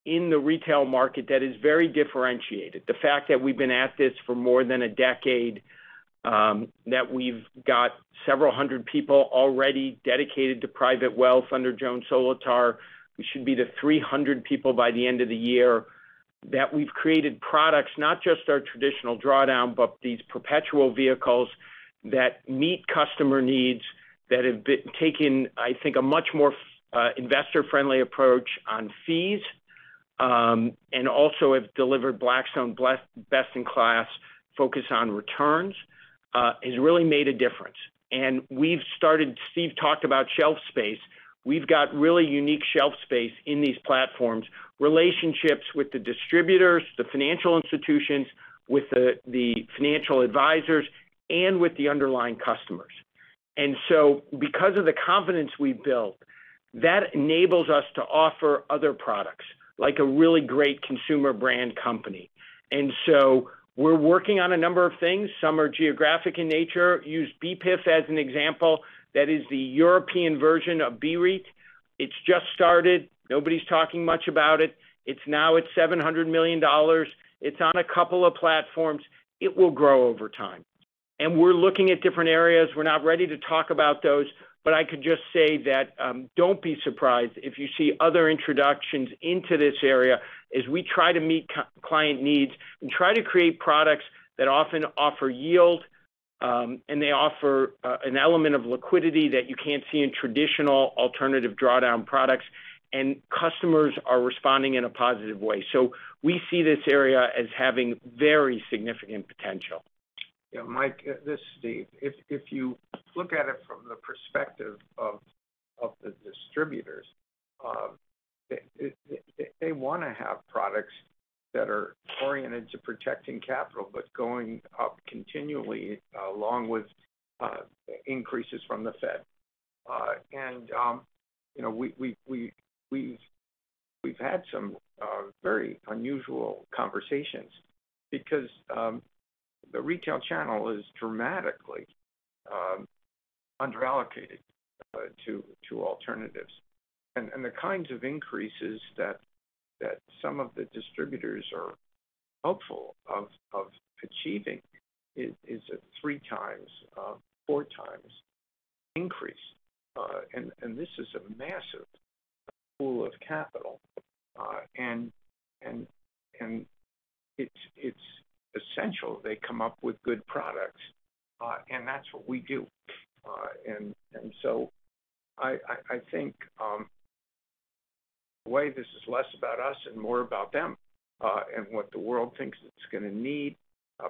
in the retail market that is very differentiated. The fact that we've been at this for more than a decade, that we've got several hundred people already dedicated to private wealth under Joan Solotar. We should get to 300 people by the end of the year. That we've created products, not just our traditional drawdown, but these perpetual vehicles that meet customer needs, that have been taken, I think, a much more investor-friendly approach on fees, and also have delivered Blackstone best in class focus on returns, has really made a difference. We've started Steve talked about shelf space. We've got really unique shelf space in these platforms, relationships with the distributors, the financial institutions, with the financial advisors, and with the underlying customers. Because of the confidence we've built, that enables us to offer other products, like a really great consumer brand company. We're working on a number of things. Some are geographic in nature. Use BEPIF as an example. That is the European version of BREIT. It's just started. Nobody's talking much about it. It's now at $700 million. It's on a couple of platforms. It will grow over time. We're looking at different areas. We're not ready to talk about those, but I could just say that, don't be surprised if you see other introductions into this area as we try to meet client needs and try to create products that often offer yield, and they offer an element of liquidity that you can't see in traditional alternative drawdown products, and customers are responding in a positive way. We see this area as having very significant potential.
Yeah, Mike, this is Steve. If you look at it from the perspective of the distributors, they wanna have products that are oriented to protecting capital, but going up continually, along with increases from the Fed. You know, we've had some very unusual conversations because the retail channel is dramatically under-allocated to alternatives. The kinds of increases that some of the distributors are hopeful of achieving is a 3x, 4x increase. It's essential they come up with good products, and that's what we do. I think the way this is less about us and more about them and what the world thinks it's gonna need,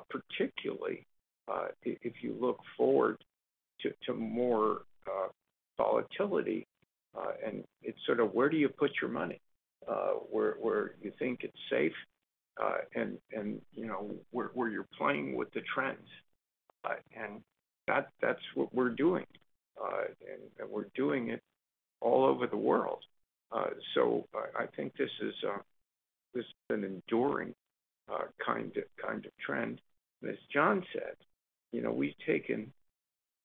particularly if you look forward to more volatility, and it's sort of where do you put your money, where you think it's safe, and you know, where you're playing with the trends. That's what we're doing. We're doing it all over the world. I think this is an enduring kind of trend. As Jon said, you know, we've taken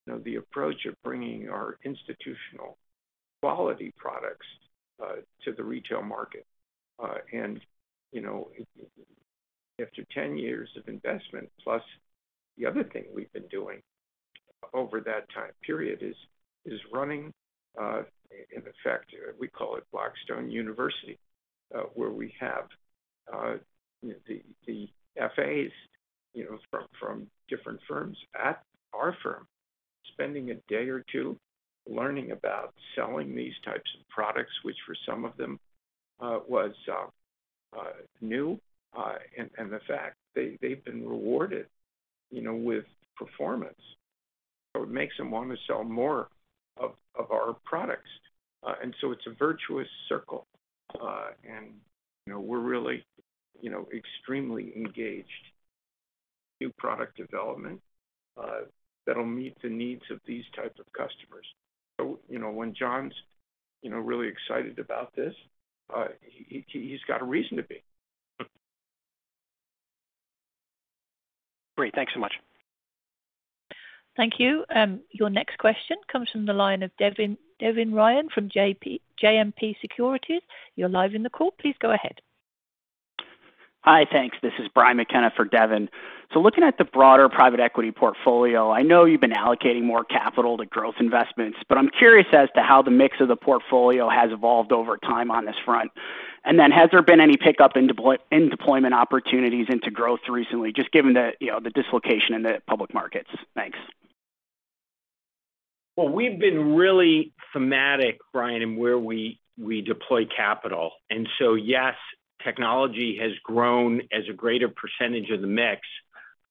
the approach of bringing our institutional quality products to the retail market. You know, after 10 years of investment, plus the other thing we've been doing over that time period is running, in effect, we call it Blackstone University, where we have the FAs, you know, from different firms at our firm, spending a day or two learning about selling these types of products, which for some of them was new. The fact they've been rewarded, you know, with performance, so it makes them wanna sell more of our products. It's a virtuous circle. You know, we're really, you know, extremely engaged in new product development, that'll meet the needs of these type of customers. You know, when Jon's, you know, really excited about this, he's got a reason to be.
Great. Thanks so much.
Thank you. Your next question comes from the line of Devin Ryan from JMP Securities. You're live on the call. Please go ahead.
Hi. Thanks. This is Brian McKenna for Devin. Looking at the broader private equity portfolio, I know you've been allocating more capital to growth investments, but I'm curious as to how the mix of the portfolio has evolved over time on this front. Has there been any pickup in deployment opportunities into growth recently, just given the, you know, the dislocation in the public markets? Thanks.
Well, we've been really thematic, Brian, in where we deploy capital. Yes, technology has grown as a greater percentage of the mix,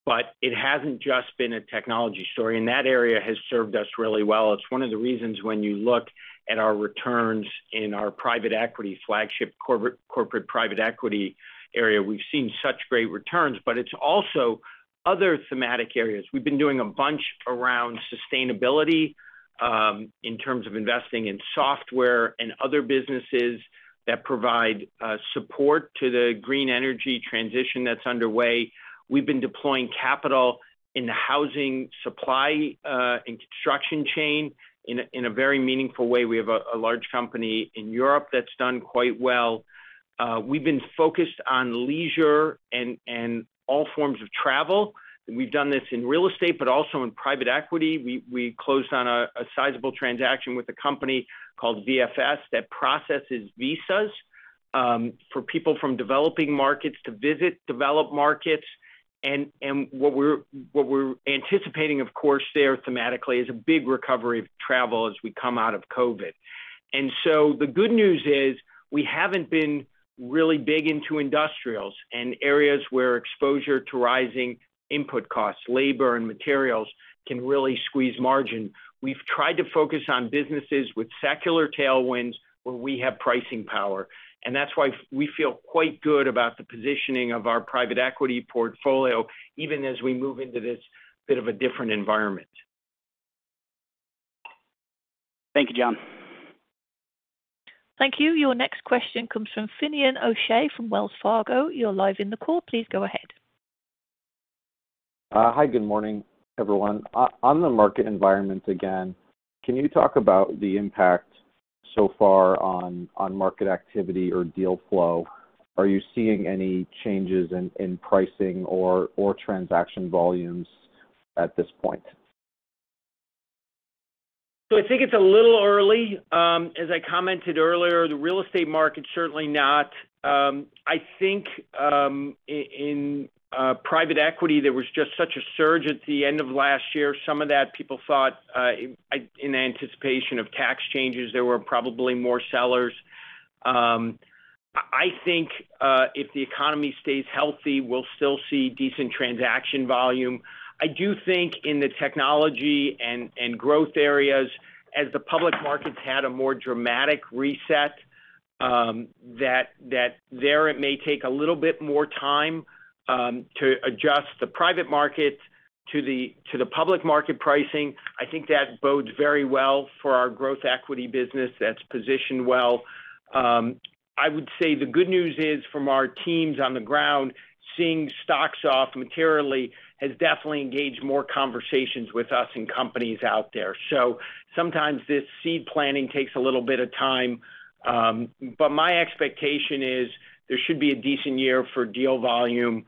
but it hasn't just been a technology story, and that area has served us really well. It's one of the reasons when you look at our returns in our private equity flagship corporate private equity area, we've seen such great returns. It's also other thematic areas. We've been doing a bunch around sustainability in terms of investing in software and other businesses that provide support to the green energy transition that's underway. We've been deploying capital in the housing supply and construction chain in a very meaningful way. We have a large company in Europe that's done quite well. We've been focused on leisure and all forms of travel. We've done this in real estate but also in private equity. We closed on a sizable transaction with a company called VFS that processes visas for people from developing markets to visit developed markets. What we're anticipating, of course, there thematically is a big recovery of travel as we come out of COVID. The good news is we haven't been really big into industrials and areas where exposure to rising input costs, labor and materials can really squeeze margin. We've tried to focus on businesses with secular tailwinds where we have pricing power. That's why we feel quite good about the positioning of our private equity portfolio, even as we move into this bit of a different environment.
Thank you, Jon.
Thank you. Your next question comes from Finian O'Shea from Wells Fargo. You're live in the call. Please go ahead.
Hi, good morning, everyone. On the market environment again, can you talk about the impact so far on market activity or deal flow? Are you seeing any changes in pricing or transaction volumes at this point?
I think it's a little early. As I commented earlier, the real estate market, certainly not. I think in private equity, there was just such a surge at the end of last year. Some of that people thought in anticipation of tax changes, there were probably more sellers. I think if the economy stays healthy, we'll still see decent transaction volume. I do think in the technology and growth areas, as the public markets had a more dramatic reset, that there it may take a little bit more time to adjust the private market to the public market pricing. I think that bodes very well for our growth equity business. That's positioned well. I would say the good news is from our teams on the ground, seeing stocks off materially has definitely engaged more conversations with us and companies out there. Sometimes this seed planting takes a little bit of time, but my expectation is there should be a decent year for deal volume.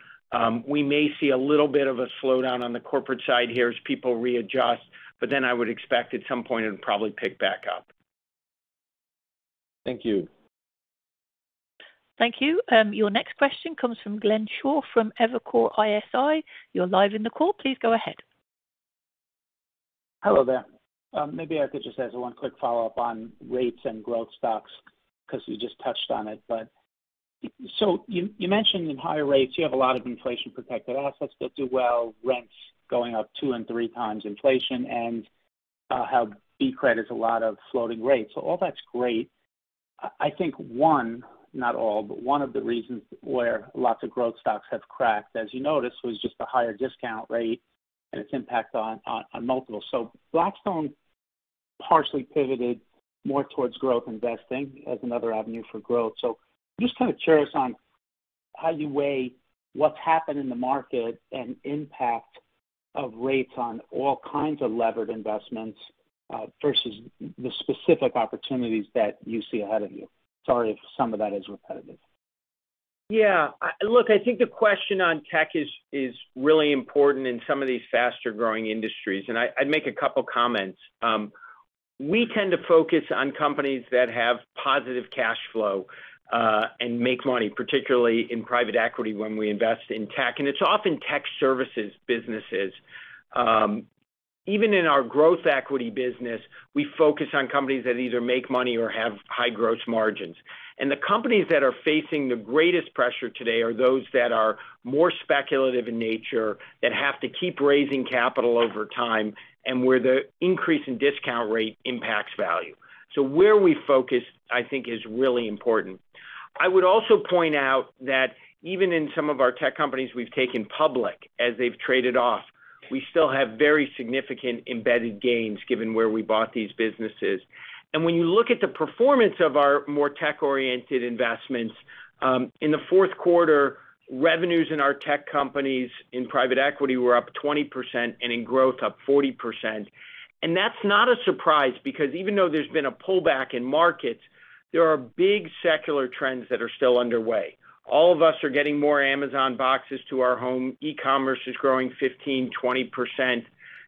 We may see a little bit of a slowdown on the corporate side here as people readjust, but then I would expect at some point it'll probably pick back up.
Thank you.
Thank you. Your next question comes from Glenn Schorr from Evercore ISI. You're live in the call. Please go ahead.
Hello there. Maybe I could just ask one quick follow-up on rates and growth stocks because you just touched on it. You mentioned in higher rates, you have a lot of inflation-protected assets that do well, rents going up 2-3x inflation, and how private credit's a lot of floating rates. All that's great. I think one, not all, but one of the reasons why lots of growth stocks have cracked, as you noticed, was just the higher discount rate and its impact on multiples. Blackstone partially pivoted more towards growth investing as another avenue for growth. Just kinda curious on how you weigh what's happened in the market and impact of rates on all kinds of levered investments versus the specific opportunities that you see ahead of you. Sorry if some of that is repetitive.
Yeah. Look, I think the question on tech is really important in some of these faster-growing industries, and I'd make a couple comments. We tend to focus on companies that have positive cash flow and make money, particularly in private equity when we invest in tech. It's often tech services businesses. Even in our growth equity business, we focus on companies that either make money or have high gross margins. The companies that are facing the greatest pressure today are those that are more speculative in nature, that have to keep raising capital over time, and where the increase in discount rate impacts value. Where we focus, I think, is really important. I would also point out that even in some of our tech companies we've taken public as they've traded off. We still have very significant embedded gains given where we bought these businesses. When you look at the performance of our more tech-oriented investments, in the fourth quarter, revenues in our tech companies in private equity were up 20% and in growth up 40%. That's not a surprise because even though there's been a pullback in markets, there are big secular trends that are still underway. All of us are getting more Amazon boxes to our home. E-commerce is growing 15%-20%.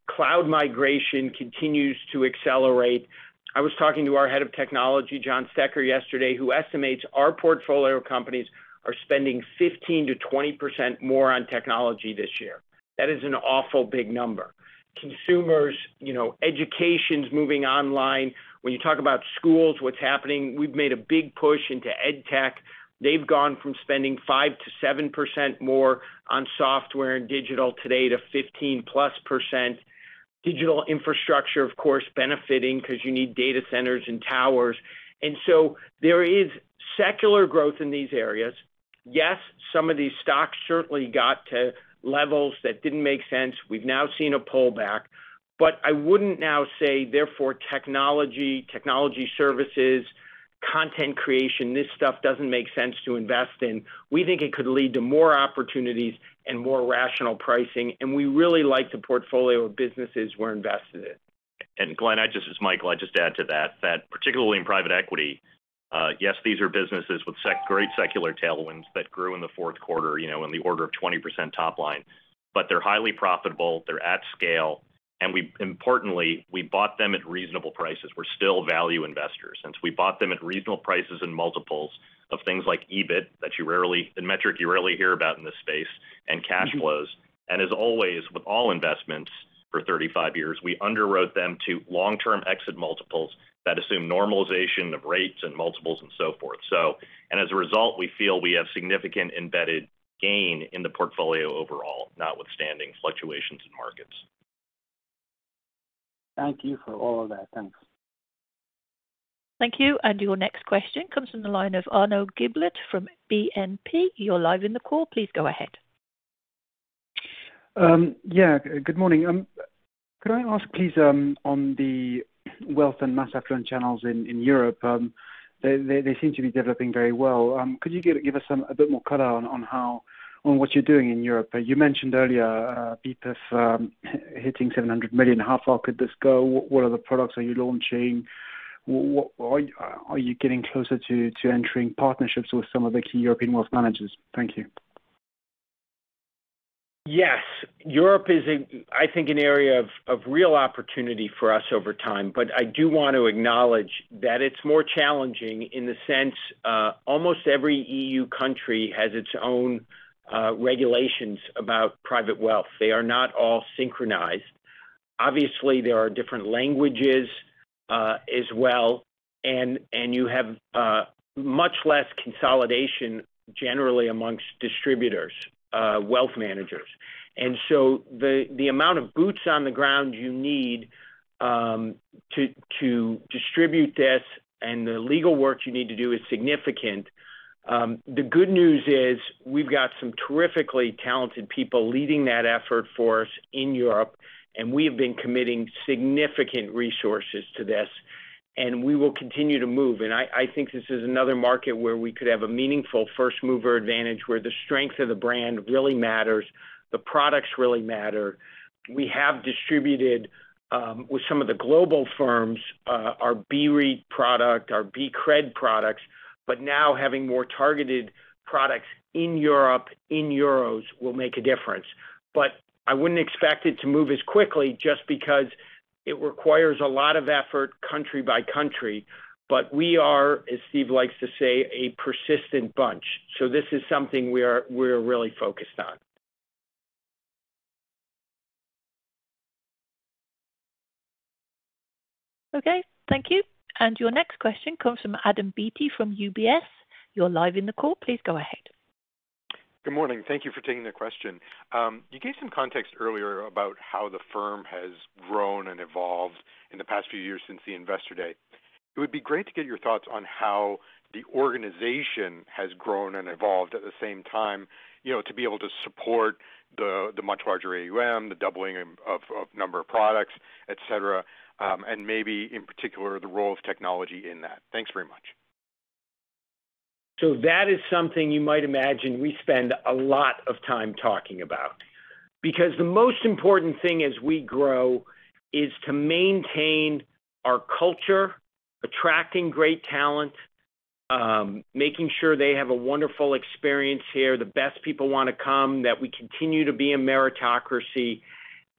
Cloud migration continues to accelerate. I was talking to our head of technology, John Stecher, yesterday, who estimates our portfolio companies are spending 15%-20% more on technology this year. That is an awful big number. Consumers, you know, education's moving online. When you talk about schools, what's happening, we've made a big push into edtech. They've gone from spending 5%-7% more on software and digital today to 15%+. Digital infrastructure, of course, benefiting because you need data centers and towers. There is secular growth in these areas. Yes, some of these stocks certainly got to levels that didn't make sense. We've now seen a pullback, but I wouldn't now say therefore, technology services, content creation, this stuff doesn't make sense to invest in. We think it could lead to more opportunities and more rational pricing, and we really like the portfolio of businesses we're invested in.
Glenn, this is Michael, I just add to that particularly in private equity, yes, these are businesses with such great secular tailwinds that grew in the fourth quarter, you know, in the order of 20% top line. They're highly profitable, they're at scale, and we importantly bought them at reasonable prices. We're still value investors. Since we bought them at reasonable prices and multiples of things like EBIT, the metric you rarely hear about in this space, and cash flows. As always, with all investments for 35 years, we underwrote them to long-term exit multiples that assume normalization of rates and multiples and so forth. We feel we have significant embedded gain in the portfolio overall, notwithstanding fluctuations in markets.
Thank you for all that. Thanks.
Thank you. Your next question comes from the line of Arnaud Giblat from BNP. You're live in the call. Please go ahead.
Yeah, good morning. Could I ask, please, on the wealth and mass affluent channels in Europe, they seem to be developing very well. Could you give us some a bit more color on what you're doing in Europe? You mentioned earlier, BEPIF hitting $700 million. How far could this go? What other products are you launching? Are you getting closer to entering partnerships with some of the key European wealth managers? Thank you.
Yes. Europe is, I think, an area of real opportunity for us over time. But I do want to acknowledge that it's more challenging in the sense almost every EU country has its own regulations about private wealth. They are not all synchronized. Obviously, there are different languages as well. You have much less consolidation generally among distributors, wealth managers. The amount of boots on the ground you need to distribute this and the legal work you need to do is significant. The good news is we've got some terrifically talented people leading that effort for us in Europe, and we have been committing significant resources to this, and we will continue to move. I think this is another market where we could have a meaningful first-mover advantage, where the strength of the brand really matters, the products really matter. We have distributed with some of the global firms our BREIT product, our BCRED products, but now having more targeted products in Europe in euros will make a difference. I wouldn't expect it to move as quickly just because it requires a lot of effort country by country. We are, as Steve likes to say, a persistent bunch. This is something we're really focused on.
Okay. Thank you. Your next question comes from Adam Beatty from UBS. You're live in the call. Please go ahead.
Good morning. Thank you for taking the question. You gave some context earlier about how the firm has grown and evolved in the past few years since the Investor Day. It would be great to get your thoughts on how the organization has grown and evolved at the same time, you know, to be able to support the much larger AUM, the doubling of number of products, etc., and maybe in particular, the role of technology in that. Thanks very much.
That is something you might imagine we spend a lot of time talking about. Because the most important thing as we grow is to maintain our culture, attracting great talent, making sure they have a wonderful experience here, the best people wanna come, that we continue to be a meritocracy,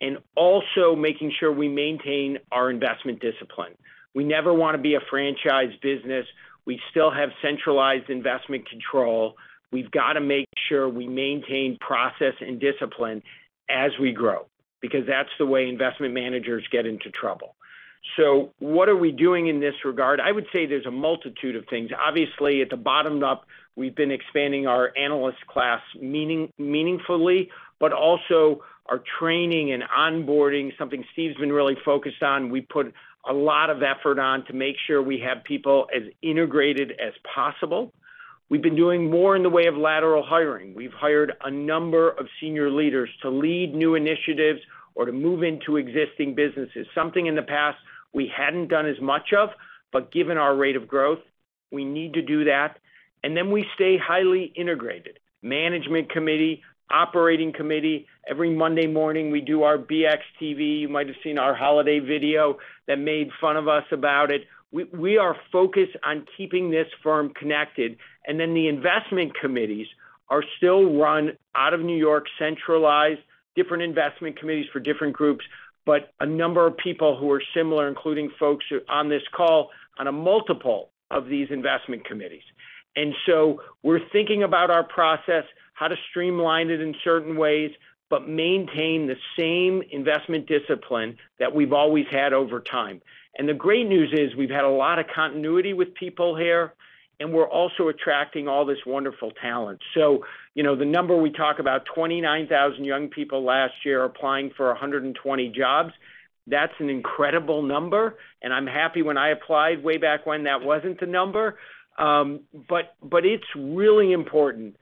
and also making sure we maintain our investment discipline. We never wanna be a franchise business. We still have centralized investment control. We've got to make sure we maintain process and discipline as we grow, because that's the way investment managers get into trouble. What are we doing in this regard? I would say there's a multitude of things. Obviously, at the bottom up, we've been expanding our analyst class meaningfully, but also our training and onboarding, something Steve's been really focused on. We put a lot of effort on to make sure we have people as integrated as possible.
We've been doing more in the way of lateral hiring. We've hired a number of senior leaders to lead new initiatives or to move into existing businesses, something in the past we hadn't done as much of, but given our rate of growth, we need to do that. We stay highly integrated. Management committee, operating committee. Every Monday morning, we do our BXTV. You might have seen our holiday video that made fun of us about it. We are focused on keeping this firm connected. The investment committees are still run out of New York, centralized, different investment committees for different groups, but a number of people who are similar, including folks who are on this call on a multiple of these investment committees. We're thinking about our process, how to streamline it in certain ways, but maintain the same investment discipline that we've always had over time. The great news is we've had a lot of continuity with people here, and we're also attracting all this wonderful talent. You know, the number we talk about, 29,000 young people last year applying for 120 jobs, that's an incredible number. I'm happy when I applied way back when that wasn't the number. But it's really important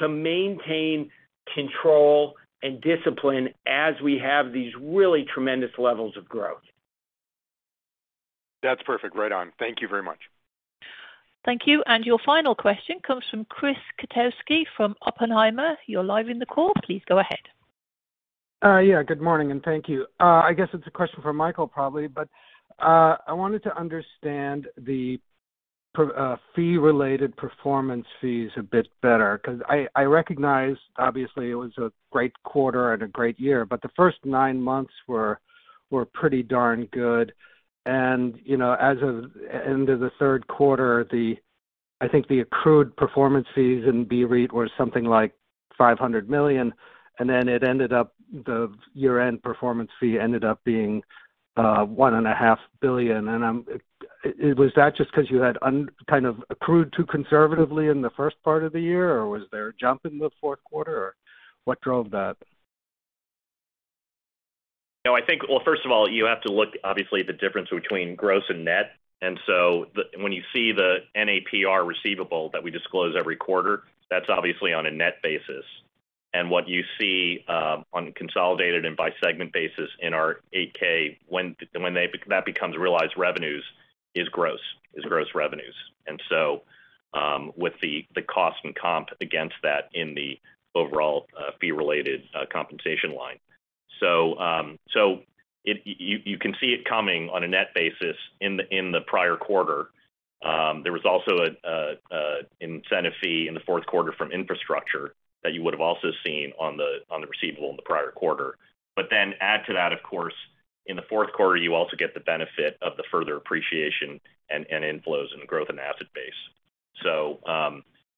to maintain control and discipline as we have these really tremendous levels of growth.
That's perfect. Right on. Thank you very much.
Thank you. Your final question comes from Chris Kotowski from Oppenheimer. You're live in the call. Please go ahead.
Yeah, good morning, and thank you. I guess it's a question for Michael, probably, but I wanted to understand the fee-related performance fees a bit better because I recognize, obviously, it was a great quarter and a great year, but the first nine months were pretty darn good. You know, as of end of the third quarter, I think the accrued performance fees in BREIT were something like $500 million, and then the year-end performance fee ended up being $1.5 billion. Was that just 'cause you had kind of accrued too conservatively in the first part of the year, or was there a jump in the fourth quarter, or what drove that?
No, I think. Well, first of all, you have to look, obviously, at the difference between gross and net. When you see the NAPR receivable that we disclose every quarter, that's obviously on a net basis. What you see on consolidated and by segment basis in our 8-K when that becomes realized revenues is gross revenues. You can see it coming on a net basis in the prior quarter. There was also an incentive fee in the fourth quarter from infrastructure that you would have also seen on the receivable in the prior quarter. Add to that, of course, in the fourth quarter, you also get the benefit of the further appreciation and inflows and growth in asset base.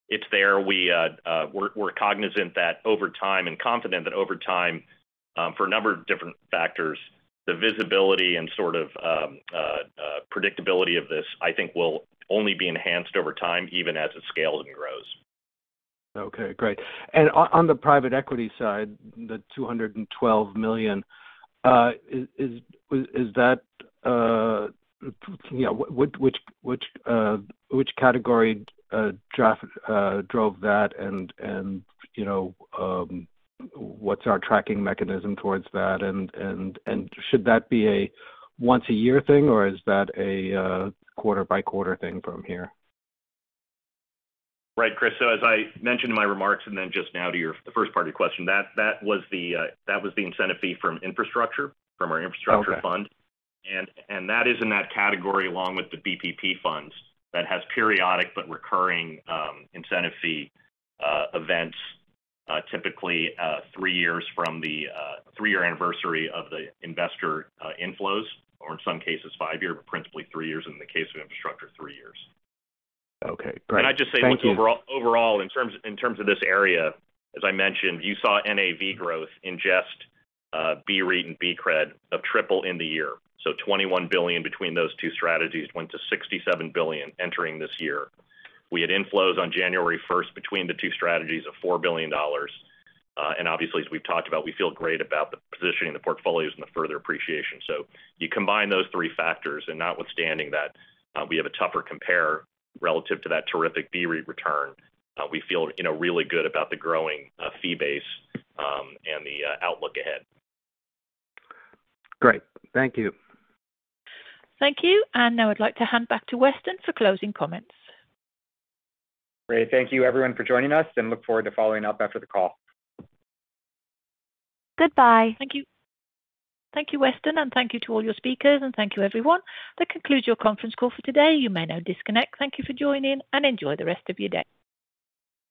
It's there. We're cognizant that over time and confident that over time, for a number of different factors, the visibility and sort of predictability of this, I think, will only be enhanced over time, even as it scales and grows.
Okay, great. On the private equity side, the $212 million, is that you know which category drove that? You know, what's our tracking mechanism towards that? Should that be a once a year thing or is that a quarter-by-quarter thing from here?
Right, Chris. As I mentioned in my remarks, and then just now to you, the first part of your question, that was the incentive fee from infrastructure, from our infrastructure fund.
Okay.
That is in that category along with the BPP funds that has periodic but recurring incentive fee events, typically three years from the three-year anniversary of the investor inflows, or in some cases five-year, but principally three years. In the case of infrastructure, three years.
Okay, great. Thank you.
Can I just say look overall in terms of this area, as I mentioned, you saw NAV growth in just BREIT and BCRED tripled in the year. So $21 billion between those two strategies went to $67 billion entering this year. We had inflows on January first between the two strategies of $4 billion. And obviously, as we've talked about, we feel great about the positioning the portfolios and the further appreciation. So you combine those three factors and notwithstanding that, we have a tougher compare relative to that terrific BREIT return. We feel really good about the growing fee base and the outlook ahead.
Great. Thank you.
Thank you. Now I'd like to hand back to Weston for closing comments.
Great. Thank you everyone for joining us, and I look forward to following up after the call.
Goodbye. Thank you. Thank you, Weston, and thank you to all your speakers, and thank you, everyone. That concludes your conference call for today. You may now disconnect. Thank you for joining, and enjoy the rest of your day.